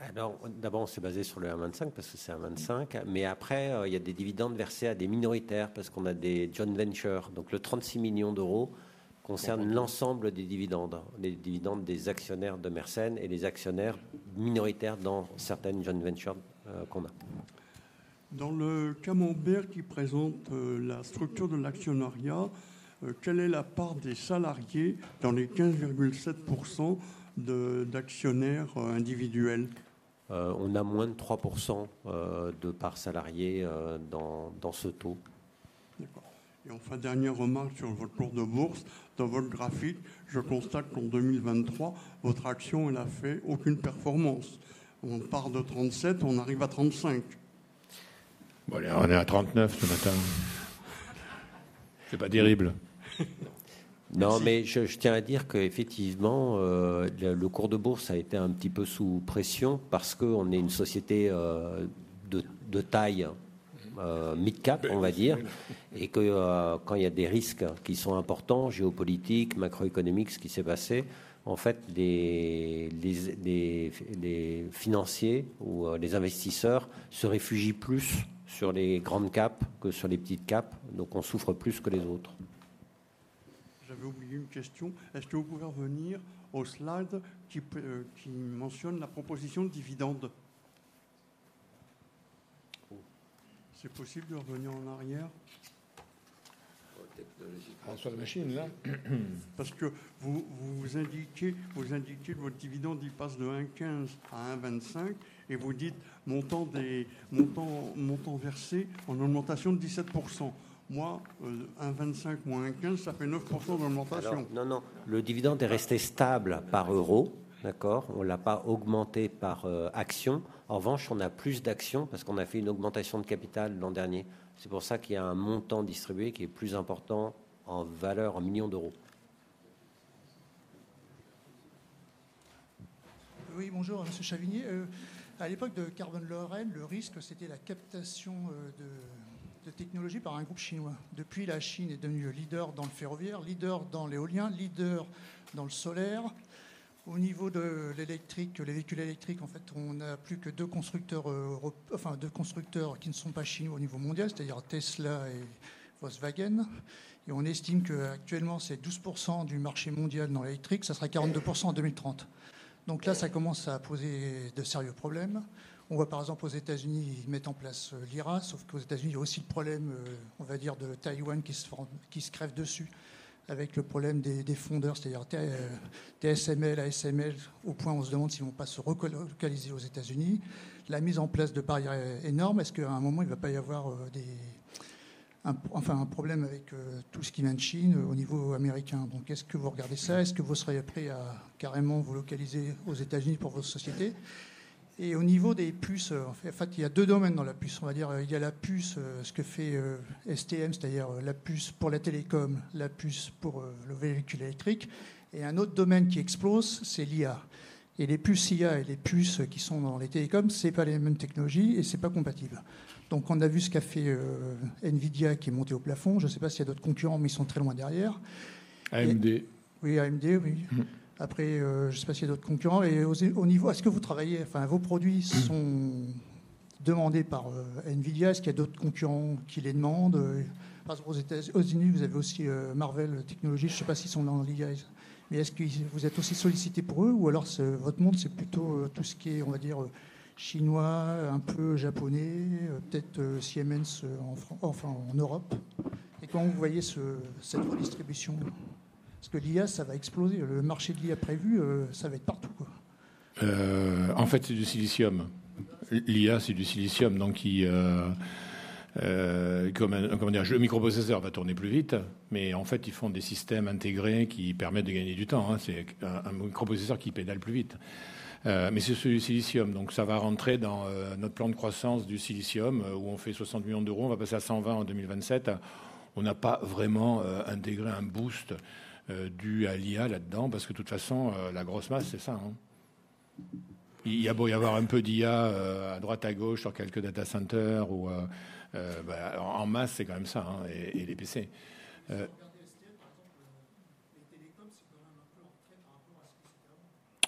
Alors d'abord, on s'est basé sur le €125 millions, parce que c'est un €125 millions, mais après, il y a des dividendes versés à des minoritaires, parce qu'on a des joint ventures. Donc le €36 millions concerne l'ensemble des dividendes, des dividendes des actionnaires de Mercène et des actionnaires minoritaires dans certaines joint ventures qu'on a. Dans le camembert qui présente la structure de l'actionnariat, quelle est la part des salariés dans les 15,7% d'actionnaires individuels? On a moins de 3% de parts salariés dans ce taux. D'accord. Et enfin, dernière remarque sur votre cours de bourse. Dans votre graphique, je constate qu'en 2023, votre action, elle a fait aucune performance. On part de 37, on arrive à 35. Bon, on est à trente-neuf ce matin. C'est pas terrible. Non, mais je tiens à dire qu'effectivement, le cours de bourse a été un petit peu sous pression parce qu'on est une société de taille mid cap, on va dire, et que quand il y a des risques qui sont importants, géopolitiques, macroéconomiques, ce qui s'est passé, en fait, les financiers ou les investisseurs se réfugient plus sur les grandes caps que sur les petites caps, donc on souffre plus que les autres. J'avais oublié une question. Est-ce que vous pouvez revenir au slide qui mentionne la proposition de dividende? C'est possible de revenir en arrière? François, la machine, là. Parce que vous, vous indiquez, vous indiquez que votre dividende, il passe de 1,15 à 1,25 et vous dites: Montant des, montant versé en augmentation de 17%. Moi, 1,25 moins 1,15, ça fait 9% d'augmentation. Non, non, le dividende est resté stable par euro. D'accord? On ne l'a pas augmenté par action. En revanche, on a plus d'actions parce qu'on a fait une augmentation de capital l'an dernier. C'est pour ça qu'il y a un montant distribué qui est plus important en valeur, en millions d'euros. Oui, bonjour, Monsieur Chavigner. À l'époque de Carbon Lorraine, le risque, c'était la captation de technologie par un groupe chinois. Depuis, la Chine est devenue leader dans le ferroviaire, leader dans l'éolien, leader dans le solaire. Au niveau de l'électrique, les véhicules électriques, en fait, on a plus que deux constructeurs européens, enfin, deux constructeurs qui ne sont pas chinois au niveau mondial, c'est-à-dire Tesla et Volkswagen. Et on estime qu'actuellement, c'est 12% du marché mondial dans l'électrique, ça sera 42% en 2030. Donc là, ça commence à poser de sérieux problèmes. On voit, par exemple, aux États-Unis, ils mettent en place l'IRA. Sauf qu'aux États-Unis, il y a aussi le problème, on va dire, de Taïwan qui se ferme, qui se crève dessus avec le problème des fondeurs, c'est-à-dire TSMC, ASML, au point où on se demande s'ils ne vont pas se relocaliser aux États-Unis. La mise en place de barrières est énorme. Est-ce qu'à un moment, il ne va pas y avoir un problème avec tout ce qui vient de Chine, au niveau américain? Donc, est-ce que vous regardez ça? Est-ce que vous seriez prêt à carrément vous localiser aux États-Unis pour votre société? Et au niveau des puces, en fait, il y a deux domaines dans la puce. On va dire, il y a la puce, ce que fait STM, c'est-à-dire la puce pour la télécom, la puce pour le véhicule électrique. Et un autre domaine qui explose, c'est l'IA. Et les puces IA et les puces qui sont dans les télécoms, ce n'est pas les mêmes technologies et ce n'est pas compatible. Donc, on a vu ce qu'a fait NVIDIA, qui est monté au plafond. Je ne sais pas s'il y a d'autres concurrents, mais ils sont très loin derrière. AMD. Oui, AMD, oui. Après, je ne sais pas s'il y a d'autres concurrents. Au niveau, est-ce que vous travaillez... Enfin, vos produits sont demandés par NVIDIA? Est-ce qu'il y a d'autres concurrents qui les demandent? Parce qu'aux États-Unis, vous avez aussi Marvell Technologies. Je ne sais pas s'ils sont dans l'IA, mais est-ce que vous êtes aussi sollicité pour eux? Ou alors, votre monde, c'est plutôt tout ce qui est, on va dire, chinois, un peu japonais, peut-être Siemens en France, enfin en Europe. Comment vous voyez cette redistribution? Parce que l'IA, ça va exploser. Le marché de l'IA prévu, ça va être partout. En fait, c'est du silicium. L'IA, c'est du silicium, donc qui... comment dire? Le microprocesseur va tourner plus vite, mais en fait, ils font des systèmes intégrés qui permettent de gagner du temps. C'est un microprocesseur qui pédale plus vite, mais c'est celui du silicium. Donc, ça va rentrer dans notre plan de croissance du silicium, où on fait 60 millions d'euros. On va passer à 120 en 2027. On n'a pas vraiment intégré un boost dû à l'IA là-dedans, parce que de toute façon, la grosse masse, c'est ça. Il y a beau y avoir un peu d'IA à droite, à gauche, sur quelques data centers ou en masse, c'est quand même ça, et les PC. Les télécoms,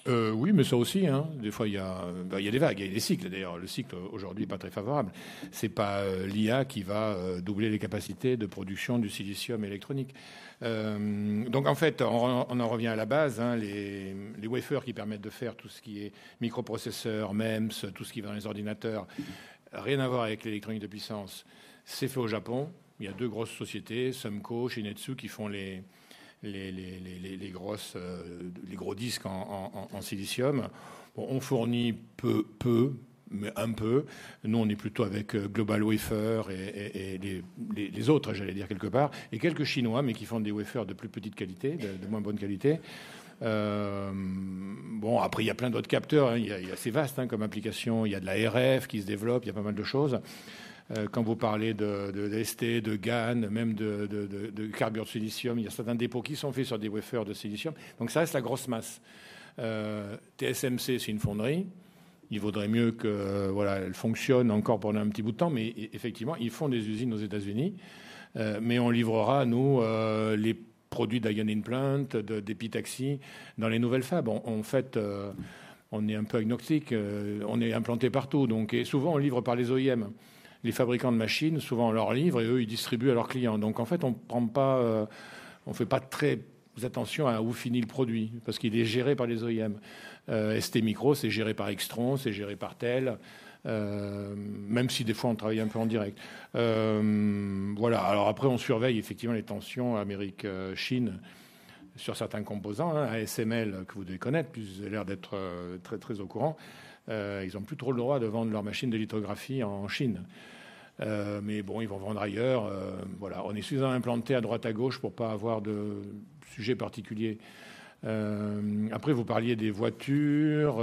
c'est quand même un peu en retraite par rapport à ce que c'était avant. Oui, mais ça aussi. Des fois, il y a des vagues, il y a des cycles. D'ailleurs, le cycle, aujourd'hui, n'est pas très favorable. Ce n'est pas l'IA qui va doubler les capacités de production du silicium électronique. Donc, en fait, on en revient à la base. Les wafers qui permettent de faire tout ce qui est microprocesseur, MEMS, tout ce qui va dans les ordinateurs. Rien à voir avec l'électronique de puissance, c'est fait au Japon. Il y a deux grosses sociétés, Sumco, Shin-Etsu, qui font les gros disques en silicium. On fournit peu, mais un peu. Nous, on est plutôt avec Global Wafer et les autres, quelque part. Et quelques Chinois, mais qui font des wafers de plus petite qualité, de moins bonne qualité. Bon, après, il y a plein d'autres capteurs, il y a, c'est vaste comme application. Il y a de la RF qui se développe, il y a pas mal de choses. Quand vous parlez de ST, de GAN, même de carbure de silicium, il y a certains dépôts qui sont faits sur des wafers de silicium. Donc ça, c'est la grosse masse. TSMC, c'est une fonderie. Il vaudrait mieux que, voilà, elle fonctionne encore pendant un petit bout de temps, mais effectivement, ils font des usines aux États-Unis, mais on livrera, nous, les produits d'ion implant, d'épitaxie dans les nouvelles fab. En fait, on est un peu agnostique, on est implanté partout, donc, et souvent, on livre par les OEM. Les fabricants de machines, souvent, on leur livre et eux, ils distribuent à leurs clients. Donc, en fait, on ne prend pas, on ne fait pas très attention à où finit le produit, parce qu'il est géré par les OEM. STMicro, c'est géré par Extron, c'est géré par Tel, même si des fois, on travaille un peu en direct. Voilà. Après, on surveille effectivement les tensions Amérique-Chine sur certains composants. ASML, que vous devez connaître, puisque vous avez l'air d'être très au courant, ils n'ont plus trop le droit de vendre leurs machines de lithographie en Chine. Mais bon, ils vont vendre ailleurs. Voilà, on est suffisamment implanté à droite, à gauche pour ne pas avoir de sujets particuliers. Après, vous parliez des voitures.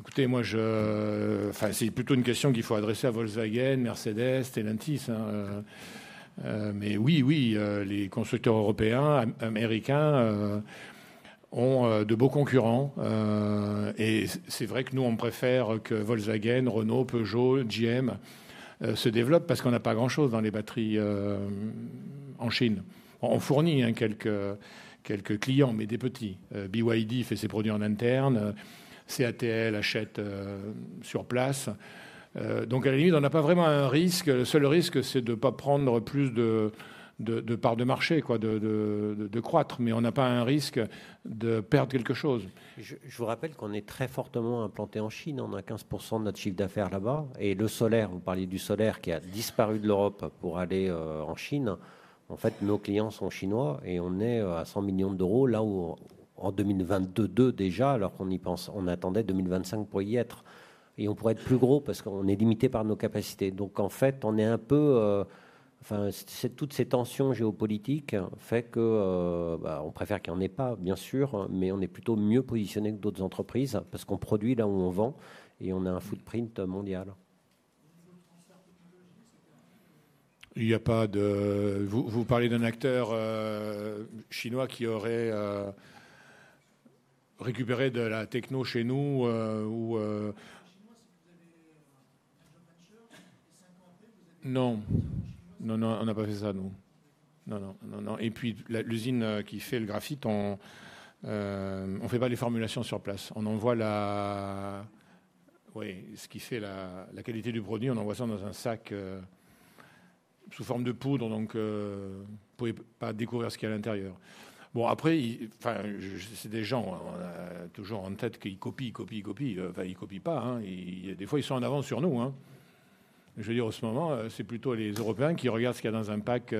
Écoutez, moi, je... enfin, c'est plutôt une question qu'il faut adresser à Volkswagen, Mercedes, Stellantis, hein. Mais oui, les constructeurs européens, américains, ont de beaux concurrents. Et c'est vrai que nous, on préfère que Volkswagen, Renault, Peugeot, GM, se développent parce qu'on n'a pas grand-chose dans les batteries en Chine. On fournit quelques clients, mais des petits. BYD fait ses produits en interne, CATL achète sur place. Donc à la limite, on n'a pas vraiment un risque. Le seul risque, c'est de ne pas prendre plus de parts de marché, de croître, mais on n'a pas un risque de perdre quelque chose. Je vous rappelle qu'on est très fortement implanté en Chine. On a 15% de notre chiffre d'affaires là-bas. Et le solaire, vous parliez du solaire qui a disparu de l'Europe pour aller en Chine. En fait, nos clients sont chinois et on est à €100 millions, là où en 2022 déjà, alors qu'on y pense, on attendait 2025 pour y être. Et on pourrait être plus gros parce qu'on est limité par nos capacités. Donc, en fait, on est un peu... enfin, c'est toutes ces tensions géopolitiques fait que, on préfère qu'il n'y en ait pas, bien sûr, mais on est plutôt mieux positionné que d'autres entreprises, parce qu'on produit là où on vend et on a un footprint mondial. Il n'y a pas de... vous, vous parlez d'un acteur chinois qui aurait récupéré de la techno chez nous, ou? Non. Non, non, on n'a pas fait ça, nous. Non, non, non, non. Et puis, l'usine qui fait le graphite, on ne fait pas les formulations sur place. On envoie la... oui, ce qui fait la qualité du produit, on envoie ça dans un sac sous forme de poudre, donc vous ne pouvez pas découvrir ce qu'il y a à l'intérieur. Bon, après, il... enfin, c'est des gens, on a toujours en tête qu'ils copient, copient, copient. Enfin, ils copient pas, des fois, ils sont en avance sur nous. Je veux dire, en ce moment, c'est plutôt les Européens qui regardent ce qu'il y a dans un pack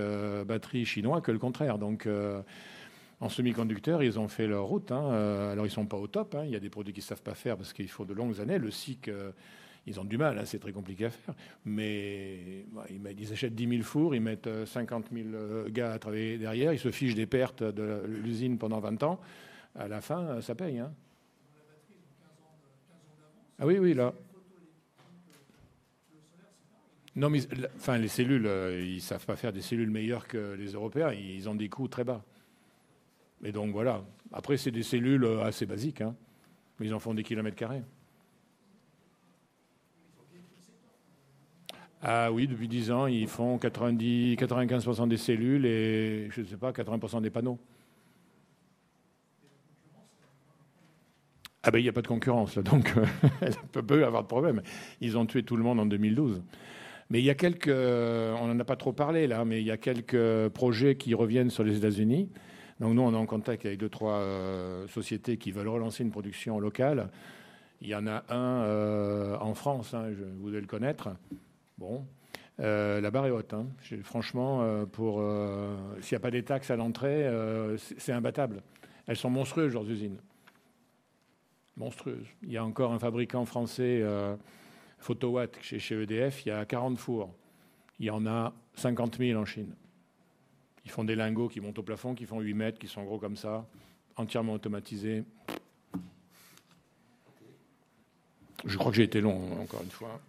batterie chinois que le contraire. Donc, en semi-conducteur, ils ont fait leur route. Alors, ils ne sont pas au top. Il y a des produits qu'ils ne savent pas faire parce qu'il faut de longues années. Le cycle, ils ont du mal, c'est très compliqué à faire. Mais ils achètent 10 000 fours, ils mettent 50 000 gars à travailler derrière, ils se fichent des pertes de l'usine pendant 20 ans. À la fin, ça paye. La batterie, ils ont quinze ans d'avance. Ah oui, oui, là. Non, mais enfin, les cellules, ils ne savent pas faire des cellules meilleures que les Européens. Ils ont des coûts très bas. Mais donc voilà. Après, c'est des cellules assez basiques, hein, mais ils en font des kilomètres carrés. Ah oui, depuis dix ans, ils font 90%, 95% des cellules et je ne sais pas, 80% des panneaux. Ah ben, il n'y a pas de concurrence, donc il peut peu y avoir de problème. Ils ont tué tout le monde en 2012. Mais il y a quelques... on n'en a pas trop parlé, là, mais il y a quelques projets qui reviennent sur les États-Unis. Donc nous, on est en contact avec deux, trois sociétés qui veulent relancer une production locale. Il y en a un en France, hein, vous devez le connaître. Bon, la barre est haute, hein. Franchement, pour, s'il n'y a pas des taxes à l'entrée, c'est imbattable. Elles sont monstrueuses, leurs usines. Monstrueuse. Il y a encore un fabricant français, Photowatt, chez EDF, il y a quarante fours. Il y en a cinquante mille en Chine. Ils font des lingots qui montent au plafond, qui font huit mètres, qui sont gros comme ça, entièrement automatisés. Je crois que j'ai été long, encore une fois.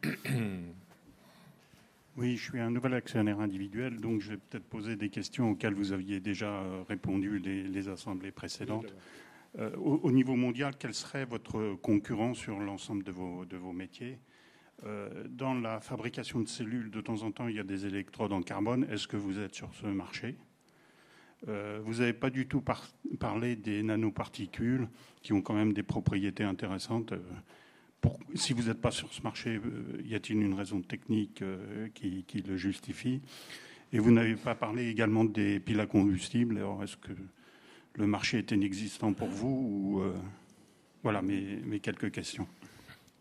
Oui, je suis un nouvel actionnaire individuel, donc je vais peut-être poser des questions auxquelles vous aviez déjà répondu les assemblées précédentes. Au niveau mondial, quel serait votre concurrent sur l'ensemble de vos métiers? Dans la fabrication de cellules, de temps en temps, il y a des électrodes en carbone. Est-ce que vous êtes sur ce marché? Vous n'avez pas du tout parlé des nanoparticules qui ont quand même des propriétés intéressantes. Si vous n'êtes pas sur ce marché, y a-t-il une raison technique qui le justifie? Et vous n'avez pas parlé également des piles à combustible. Alors, est-ce que le marché est inexistant pour vous ou...? Voilà, mes quelques questions.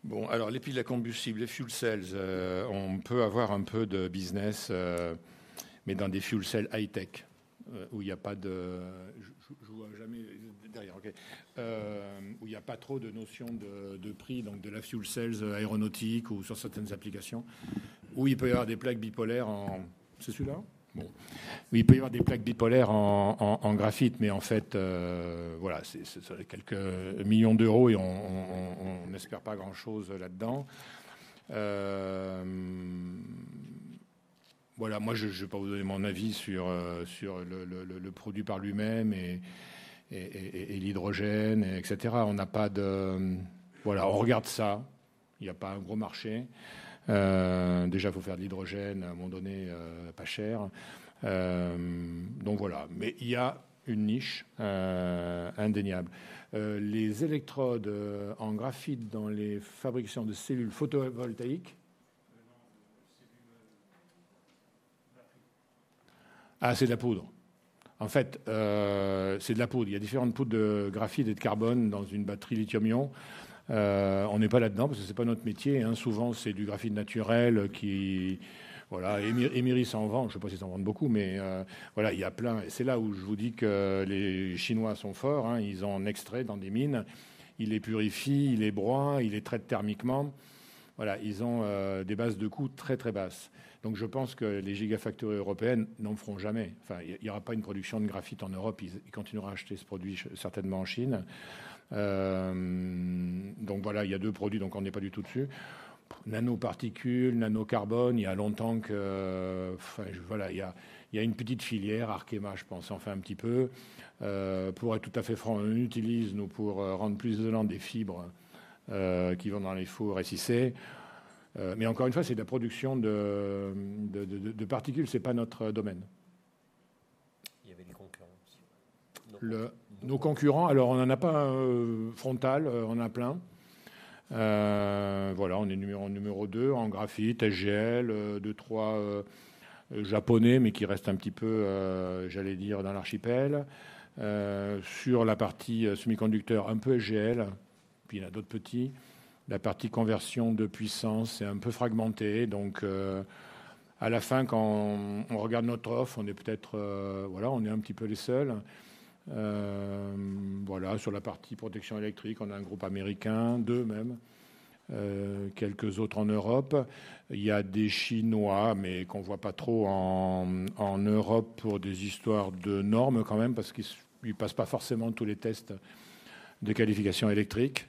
Bon, alors, les piles à combustible, les fuel cells, on peut avoir un peu de business, mais dans des fuel cells high tech, où il n'y a pas de... Je vous vois jamais derrière, OK. Où y a pas trop de notions de prix, donc de la fuel cells aéronautique ou sur certaines applications. Ou il peut y avoir des plaques bipolaires en... C'est celui-là? Bon. Ou il peut y avoir des plaques bipolaires en graphite, mais en fait, voilà, c'est seulement quelques millions d'euros et on n'espère pas grand-chose là-dedans. Voilà, moi, je vais pas vous donner mon avis sur le produit par lui-même et l'hydrogène, etc. On n'a pas de... voilà, on regarde ça. Y a pas un gros marché. Déjà, il faut faire de l'hydrogène à un moment donné, pas cher. Donc voilà. Mais il y a une niche indéniable. Les électrodes en graphite dans les fabrications de cellules photovoltaïques? Ah, c'est de la poudre. En fait, c'est de la poudre. Il y a différentes poudres de graphite et de carbone dans une batterie lithium-ion. On n'est pas là-dedans parce que ce n'est pas notre métier, hein. Souvent, c'est du graphite naturel qui... voilà. Emerys en vend, je ne sais pas s'ils en vendent beaucoup, mais voilà, il y a plein. C'est là où je vous dis que les Chinois sont forts, hein. Ils en extraient dans des mines, ils les purifient, ils les broient, ils les traitent thermiquement. Voilà, ils ont des bases de coûts très très basses. Donc, je pense que les giga factories européennes n'en feront jamais. Enfin, il n'y aura pas une production de graphite en Europe. Ils continueront à acheter ce produit certainement en Chine. Donc voilà, il y a deux produits, donc on n'est pas du tout dessus. Nanoparticules, nanocarbone, il y a longtemps que... enfin, voilà, il y a une petite filière, Arkema, je pense, en fait, un petit peu. Pour être tout à fait franc, on utilise nous pour rendre plus isolant des fibres qui vont dans les fours R6C. Mais encore une fois, c'est de la production de particules, ce n'est pas notre domaine. Il y avait des concurrents aussi. Nos concurrents, alors, on n'en a pas frontal, on en a plein. Voilà, on est numéro deux en graphite, SGL, deux, trois Japonais, mais qui restent un petit peu, j'allais dire, dans l'archipel. Sur la partie semi-conducteur, un peu SGL, puis il y a d'autres petits. La partie conversion de puissance est un peu fragmentée. Donc, à la fin, quand on regarde notre offre, on est peut-être, voilà, on est un petit peu les seuls. Voilà, sur la partie protection électrique, on a un groupe américain, deux même, quelques autres en Europe. Il y a des Chinois, mais qu'on ne voit pas trop en Europe pour des histoires de normes quand même, parce qu'ils ne passent pas forcément tous les tests de qualification électrique.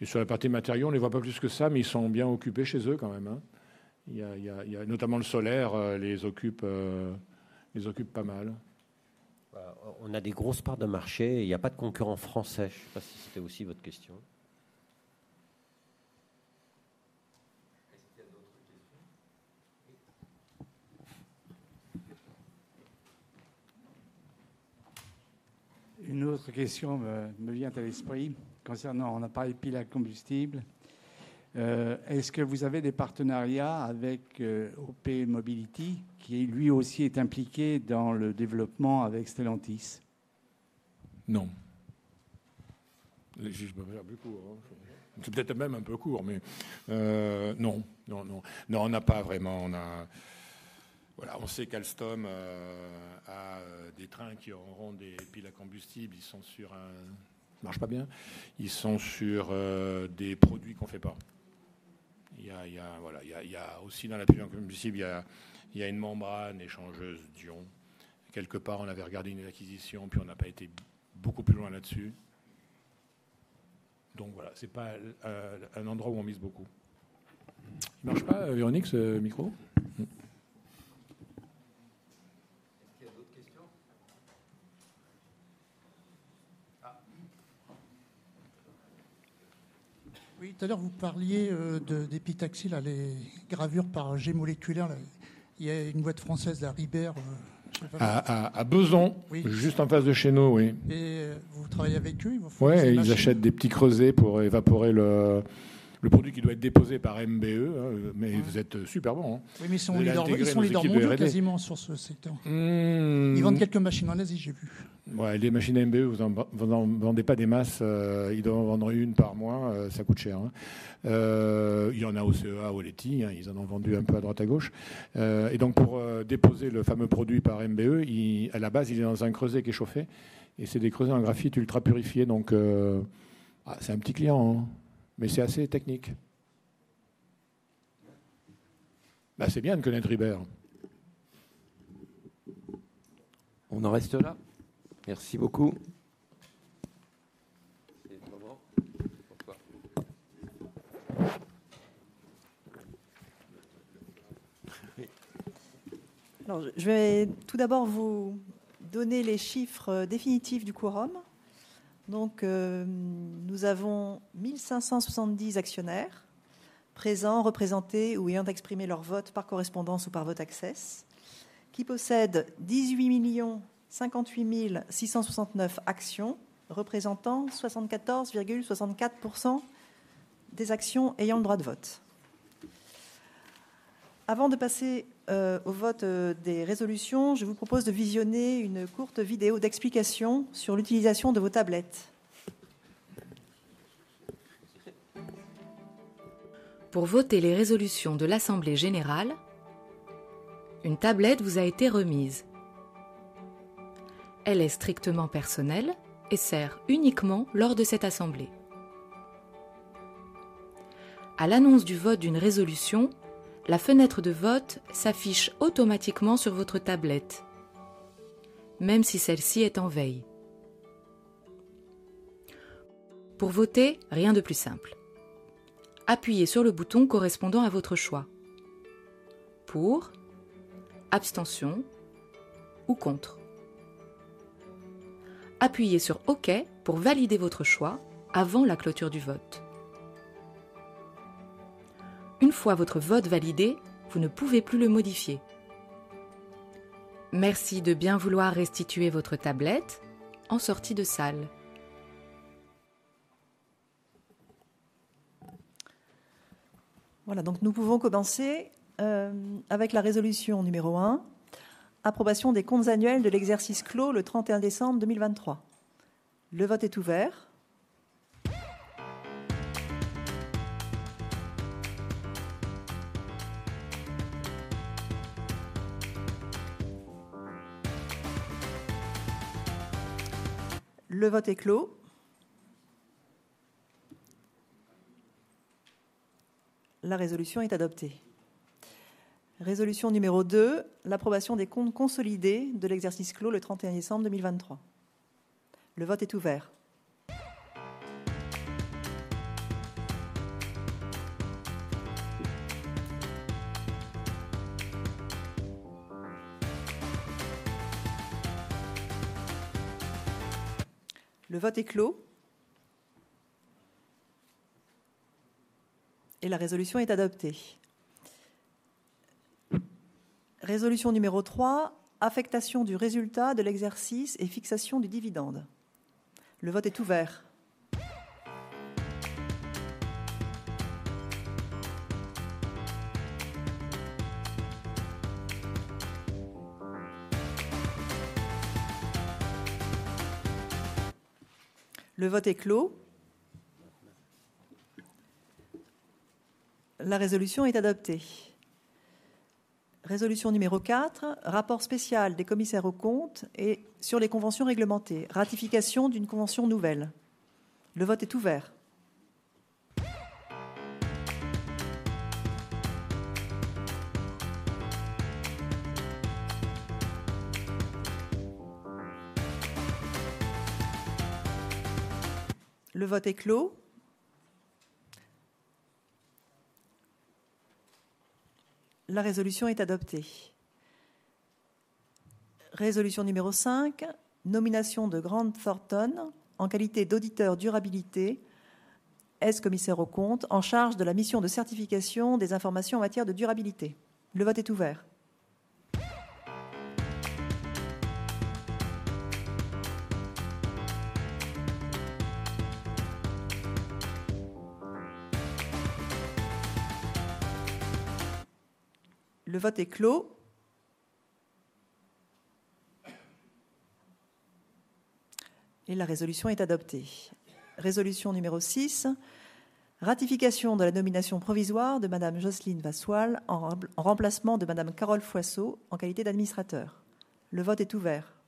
Et sur la partie matériaux, on ne les voit pas plus que ça, mais ils sont bien occupés chez eux quand même, hein. Il y a, notamment, le solaire qui les occupe pas mal. On a des grosses parts de marché et il n'y a pas de concurrent français. Je ne sais pas si c'était aussi votre question. Est-ce qu'il y a d'autres questions? Oui. Une autre question me vient à l'esprit concernant... on n'a pas eu les piles à combustible. Est-ce que vous avez des partenariats avec OP Mobility, qui, lui aussi, est impliqué dans le développement avec Stellantis? Non. Je vais faire plus court. C'est peut-être même un peu court, mais non, non, non. On n'a pas vraiment, on a... Voilà, on sait qu'Alstom a des trains qui auront des piles à combustible, ils sont sur un... ça marche pas bien? Ils sont sur des produits qu'on ne fait pas. Il y a, il y a, voilà, il y a aussi dans la pile à combustible, il y a une membrane échangeuse d'ions. Quelque part, on avait regardé une acquisition, puis on n'a pas été beaucoup plus loin là-dessus. Donc voilà, ce n'est pas un endroit où on mise beaucoup. Il marche pas, Véronique, ce micro? Est-ce qu'il y a d'autres questions? Ah! Oui, tout à l'heure, vous parliez d'épitaxie, les gravures par un jet moléculaire. Il y a une boîte française, la Riber. À Bezons, juste en face de chez nous, oui. Et vous travaillez avec eux? Ouais, ils achètent des petits creusets pour évaporer le produit qui doit être déposé par MBE, hein, mais vous êtes super bon. Oui, mais ils sont leaders mondiaux quasiment sur ce secteur. Mmm. Ils vendent quelques machines en Asie, j'ai vu. Ouais, les machines MBE, vous en, vous en vendez pas des masses, euh. Ils doivent en vendre une par mois, euh, ça coûte cher, hein. Il y en a au CEA, au LETI, hein, ils en ont vendu un peu à droite, à gauche. Et donc, pour déposer le fameux produit par MBE, il... À la base, il est dans un creuset qui est chauffé et c'est des creusets en graphite ultra-purifiés. Donc, c'est un petit client, hein, mais c'est assez technique. Bah, c'est bien de connaître Hubert! On en reste là? Merci beaucoup. Je vais tout d'abord vous donner les chiffres définitifs du quorum. Donc nous avons 1 570 actionnaires présents, représentés ou ayant exprimé leur vote par correspondance ou par vote access, qui possèdent 18 058 669 actions représentant 74,64% des actions ayant le droit de vote. Avant de passer au vote des résolutions, je vous propose de visionner une courte vidéo d'explication sur l'utilisation de vos tablettes. Pour voter les résolutions de l'Assemblée générale, une tablette vous a été remise. Elle est strictement personnelle et sert uniquement lors de cette assemblée. À l'annonce du vote d'une résolution, la fenêtre de vote s'affiche automatiquement sur votre tablette, même si celle-ci est en veille. Pour voter, rien de plus simple. Appuyez sur le bouton correspondant à votre choix: pour, abstention ou contre. Appuyez sur OK pour valider votre choix avant la clôture du vote. Une fois votre vote validé, vous ne pouvez plus le modifier. Merci de bien vouloir restituer votre tablette en sortie de salle. Voilà, donc nous pouvons commencer avec la résolution numéro un: Approbation des comptes annuels de l'exercice clos le 31 décembre 2023. Le vote est ouvert. Le vote est clos. La résolution est adoptée. Résolution numéro deux: l'approbation des comptes consolidés de l'exercice clos le 31 décembre 2023. Le vote est ouvert. Le vote est clos. Et la résolution est adoptée. Résolution numéro trois: Affectation du résultat de l'exercice et fixation du dividende. Le vote est ouvert. Le vote est clos. La résolution est adoptée. Résolution numéro quatre: Rapport spécial des commissaires aux comptes et sur les conventions réglementées. Ratification d'une convention nouvelle. Le vote est ouvert. Le vote est clos. La résolution est adoptée. Résolution numéro cinq: Nomination de Grant Thornton en qualité d'auditeur durabilité, ex-commissaire aux comptes, en charge de la mission de certification des informations en matière de durabilité. Le vote est ouvert. Le vote est clos. Et la résolution est adoptée. Résolution numéro six: Ratification de la nomination provisoire de Madame Jocelyne Vassois en remplacement de Madame Carole Foisseau, en qualité d'administrateur. Le vote est ouvert.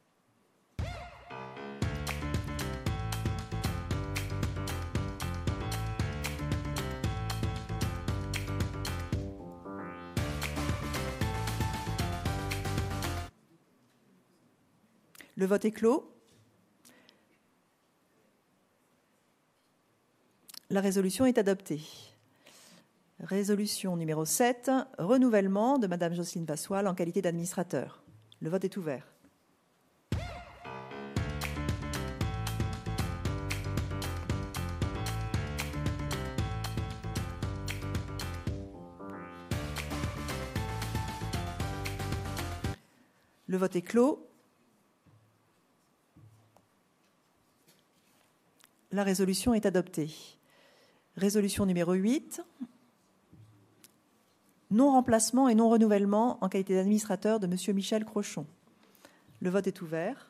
Le vote est clos. La résolution est adoptée. Résolution numéro sept: Renouvellement de Madame Jocelyne Vassois en qualité d'administrateur. Le vote est ouvert. Le vote est clos. La résolution est adoptée. Résolution numéro huit: Non-remplacement et non-renouvellement en qualité d'administrateur de Monsieur Michel Crochon. Le vote est ouvert.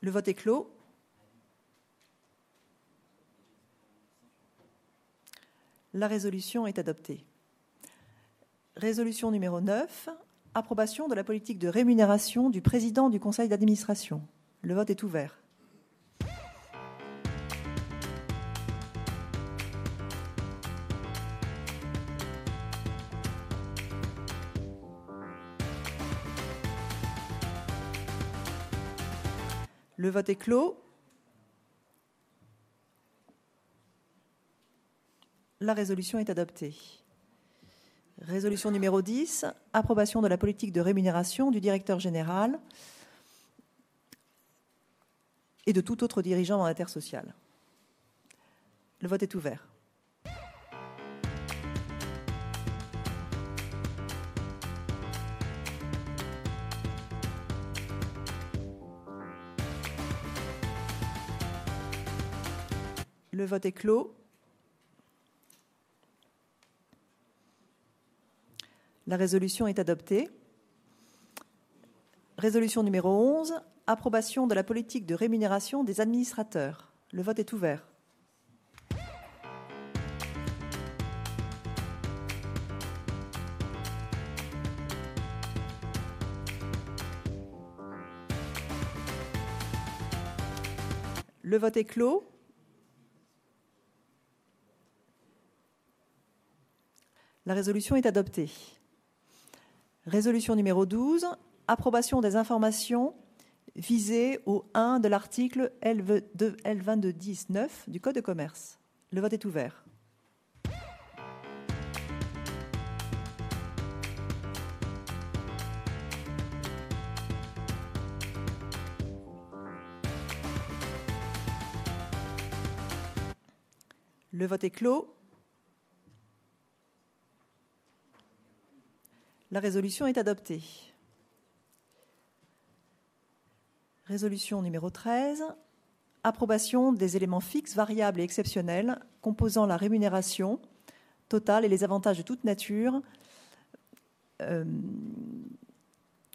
Le vote est clos. La résolution est adoptée. Résolution numéro neuf: Approbation de la politique de rémunération du Président du Conseil d'Administration. Le vote est ouvert. Le vote est clos. La résolution est adoptée. Résolution numéro dix: approbation de la politique de rémunération du directeur général et de tout autre dirigeant dans l'intersocial. Le vote est ouvert. Le vote est clos. La résolution est adoptée. Résolution numéro onze: approbation de la politique de rémunération des administrateurs. Le vote est ouvert. Le vote est clos. La résolution est adoptée. Résolution numéro douze: approbation des informations visées au 1 de l'article L. 22-10-9 du Code de commerce. Le vote est ouvert. Le vote est clos. La résolution est adoptée. Résolution numéro treize: approbation des éléments fixes, variables et exceptionnels composant la rémunération totale et les avantages de toute nature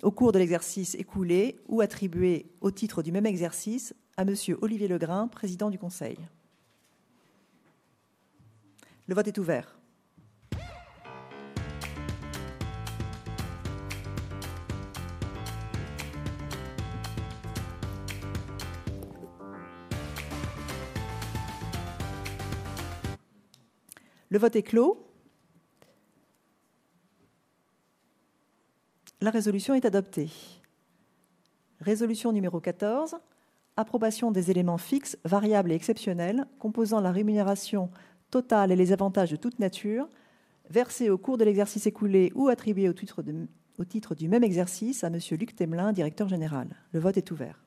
au cours de l'exercice écoulé ou attribués au titre du même exercice à Monsieur Olivier Legrain, Président du Conseil. Le vote est ouvert. Le vote est clos. La résolution est adoptée. Résolution numéro quatorze: approbation des éléments fixes, variables et exceptionnels composant la rémunération totale et les avantages de toute nature versés au cours de l'exercice écoulé ou attribués au titre du même exercice à Monsieur Luc Temelin, Directeur Général. Le vote est ouvert.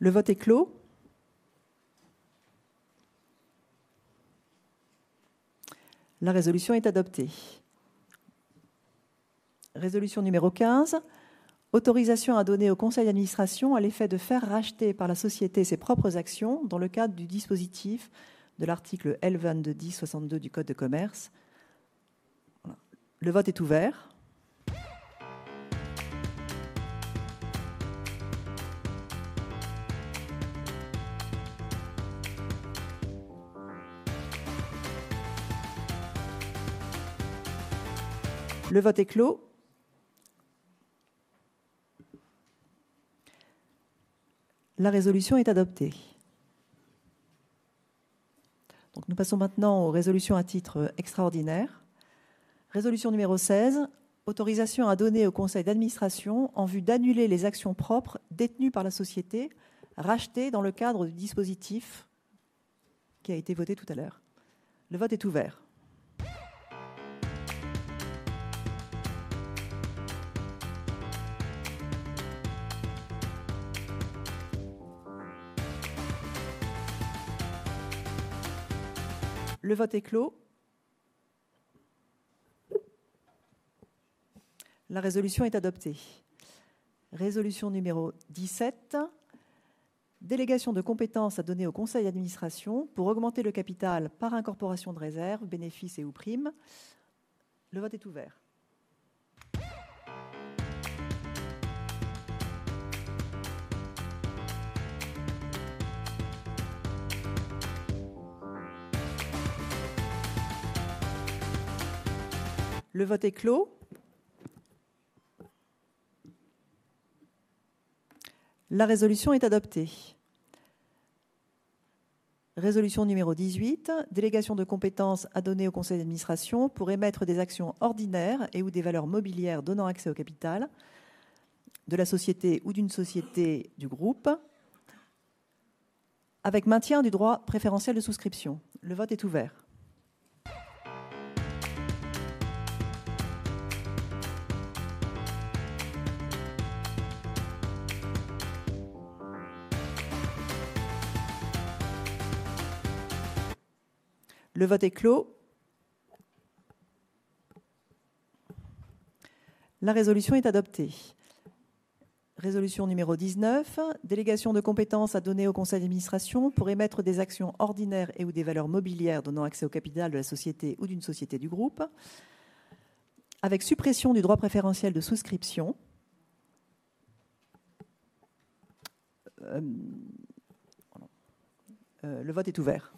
Le vote est clos. La résolution est adoptée. Résolution numéro quinze: autorisation à donner au Conseil d'Administration à l'effet de faire racheter par la société ses propres actions dans le cadre du dispositif de l'article L. 22-10-62 du Code de Commerce. Le vote est ouvert. Le vote est clos. La résolution est adoptée. Nous passons maintenant aux résolutions à titre extraordinaire. Résolution numéro seize: autorisation à donner au Conseil d'Administration en vue d'annuler les actions propres détenues par la société, rachetées dans le cadre du dispositif qui a été voté tout à l'heure. Le vote est ouvert. Le vote est clos. La résolution est adoptée. Résolution numéro dix-sept: délégation de compétences à donner au conseil d'administration pour augmenter le capital par incorporation de réserves, bénéfices et/ou primes. Le vote est ouvert. Le vote est clos. La résolution est adoptée. Résolution numéro dix-huit: délégation de compétences à donner au conseil d'administration pour émettre des actions ordinaires et/ou des valeurs mobilières donnant accès au capital de la société ou d'une société du groupe, avec maintien du droit préférentiel de souscription. Le vote est ouvert. Le vote est clos. La résolution est adoptée. Résolution numéro dix-neuf: délégation de compétences à donner au conseil d'administration pour émettre des actions ordinaires et/ou des valeurs mobilières donnant accès au capital de la société ou d'une société du groupe, avec suppression du droit préférentiel de souscription. Le vote est ouvert. Le vote est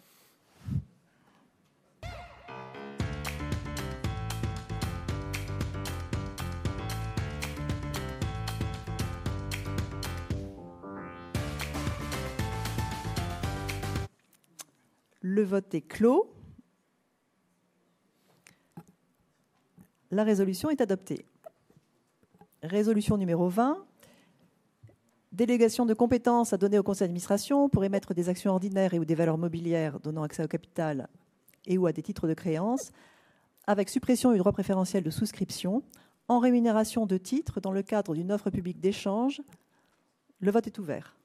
clos. La résolution est adoptée. Résolution numéro vingt: délégation de compétences à donner au conseil d'administration pour émettre des actions ordinaires et/ou des valeurs mobilières donnant accès au capital et/ou à des titres de créance, avec suppression du droit préférentiel de souscription en rémunération de titres dans le cadre d'une offre publique d'échange. Le vote est ouvert.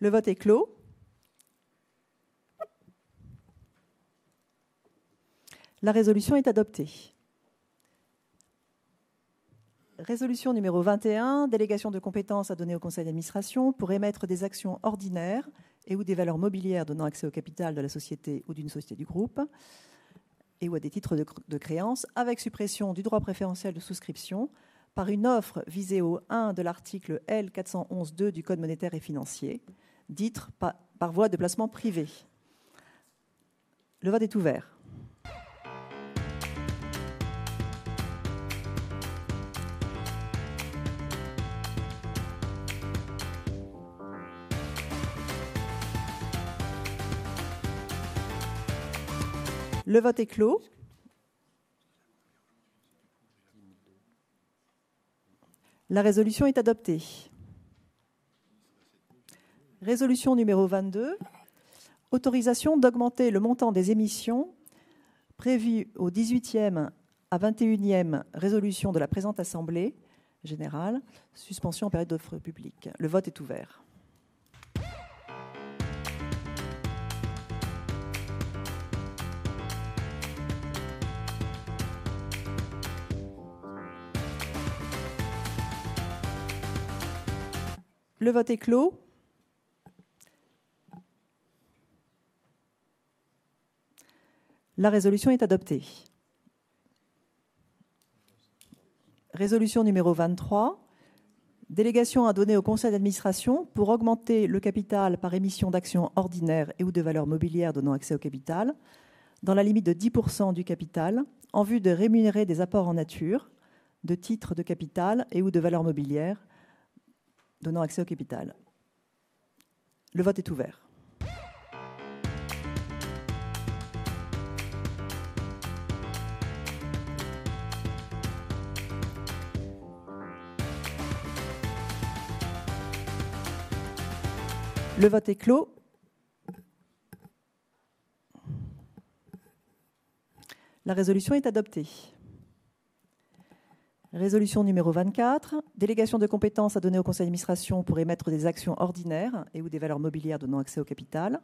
Le vote est clos. La résolution est adoptée. Résolution numéro vingt et un: délégation de compétences à donner au conseil d'administration pour émettre des actions ordinaires et/ou des valeurs mobilières donnant accès au capital de la société ou d'une société du groupe et/ou à des titres de créance, avec suppression du droit préférentiel de souscription par une offre visée au 1° de l'article L. 411-2 du Code monétaire et financier, dite par voie de placement privé. Le vote est ouvert. Le vote est clos. La résolution est adoptée. Résolution numéro vingt-deux: autorisation d'augmenter le montant des émissions prévu aux dix-huitième à vingt-et-unième résolutions de la présente assemblée générale, suspension en période d'offre publique. Le vote est ouvert. Le vote est clos. La résolution est adoptée. Résolution numéro vingt-trois: délégation à donner au conseil d'administration pour augmenter le capital par émission d'actions ordinaires et/ou de valeurs mobilières donnant accès au capital, dans la limite de 10% du capital, en vue de rémunérer des apports en nature, de titres de capital et/ou de valeurs mobilières donnant accès au capital. Le vote est ouvert. Le vote est clos. La résolution est adoptée. Résolution numéro vingt-quatre: délégation de compétences à donner au conseil d'administration pour émettre des actions ordinaires et ou des valeurs mobilières donnant accès au capital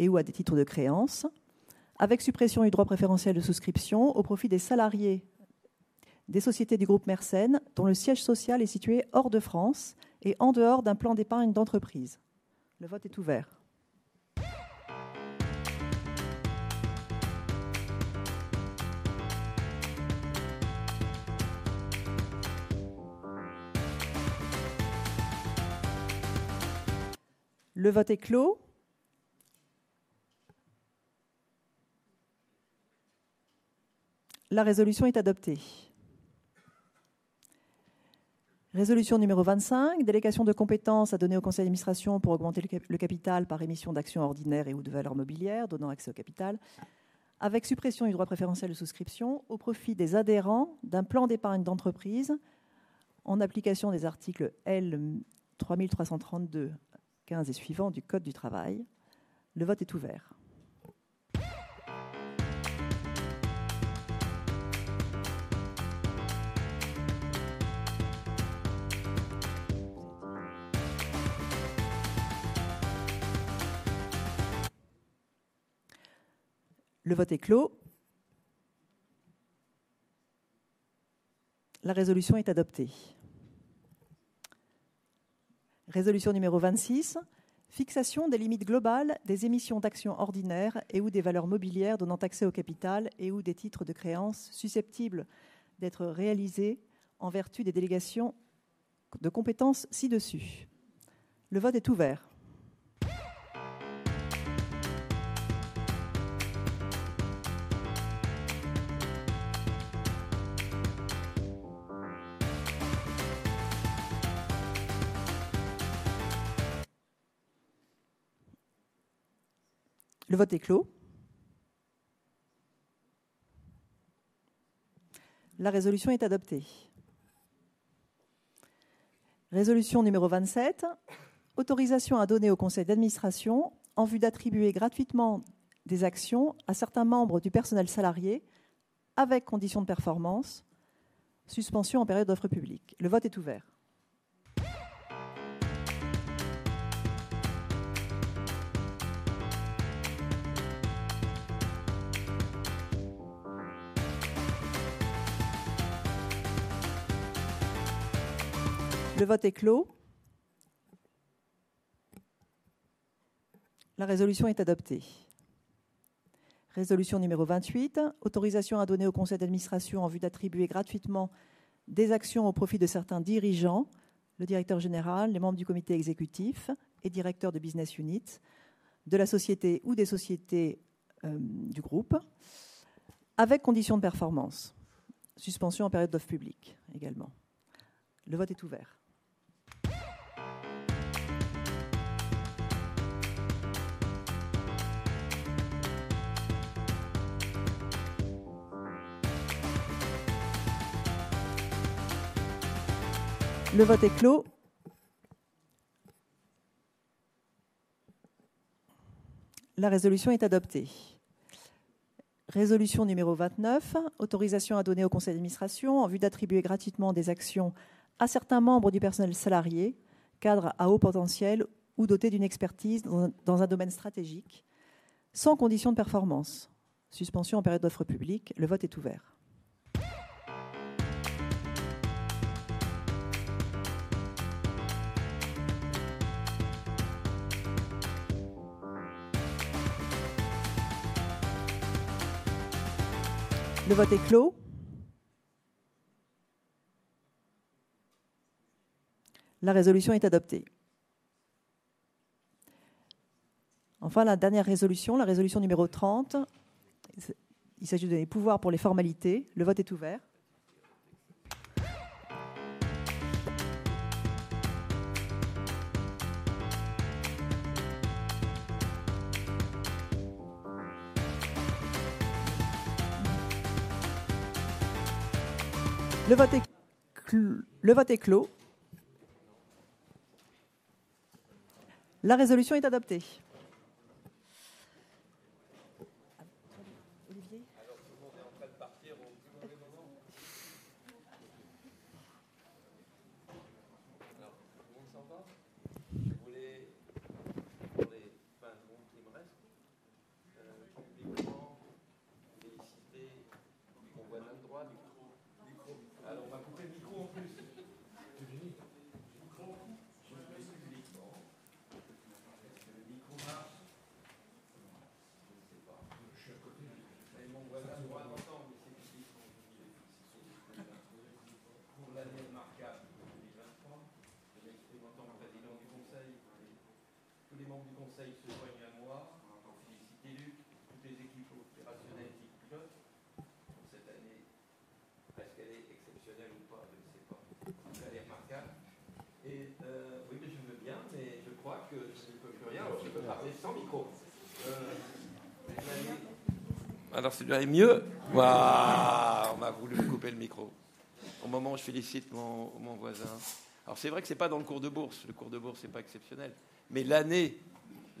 et ou à des titres de créance, avec suppression du droit préférentiel de souscription au profit des salariés des sociétés du groupe Mersen, dont le siège social est situé hors de France et en dehors d'un plan d'épargne d'entreprise. Le vote est ouvert. Le vote est clos. La résolution est adoptée. Résolution numéro vingt-cinq: délégation de compétences à donner au conseil d'administration pour augmenter le capital par émission d'actions ordinaires et ou de valeurs mobilières donnant accès au capital, avec suppression du droit préférentiel de souscription au profit des adhérents d'un plan d'épargne d'entreprise, en application des articles L. 3332-15 et suivants du Code du travail. Le vote est ouvert. Le vote est clos. La résolution est adoptée. Résolution numéro vingt-six: fixation des limites globales des émissions d'actions ordinaires et ou des valeurs mobilières donnant accès au capital et ou des titres de créance susceptibles d'être réalisés en vertu des délégations de compétences ci-dessus. Le vote est ouvert. Le vote est clos. La résolution est adoptée. Résolution numéro vingt-sept: autorisation à donner au conseil d'administration en vue d'attribuer gratuitement des actions à certains membres du personnel salarié, avec condition de performance, suspension en période d'offre publique. Le vote est ouvert. Le vote est clos. La résolution est adoptée. Résolution numéro vingt-huit: autorisation à donner au conseil d'administration en vue d'attribuer gratuitement des actions au profit de certains dirigeants, le directeur général, les membres du comité exécutif et directeurs de business unit, de la société ou des sociétés du groupe, avec condition de performance. Suspension en période d'offre publique également. Le vote est ouvert. Le vote est clos. La résolution est adoptée. Résolution numéro vingt-neuf: autorisation à donner au conseil d'administration en vue d'attribuer gratuitement des actions à certains membres du personnel salarié, cadres à haut potentiel ou dotés d'une expertise dans un domaine stratégique, sans condition de performance. Suspension en période d'offre publique, le vote est ouvert. Le vote est clos. La résolution est adoptée. Enfin, la dernière résolution, la résolution numéro trente. Il s'agit de donner pouvoir pour les formalités. Le vote est ouvert. Le vote est clos. La résolution est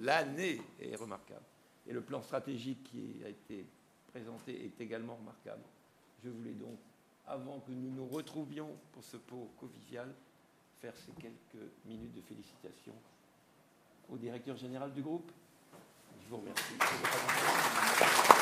l'année est remarquable et le plan stratégique qui a été présenté est également remarquable. Je voulais donc, avant que nous nous retrouvions pour ce pot convivial, faire ces quelques minutes de félicitations au Directeur Général du groupe. Je vous remercie.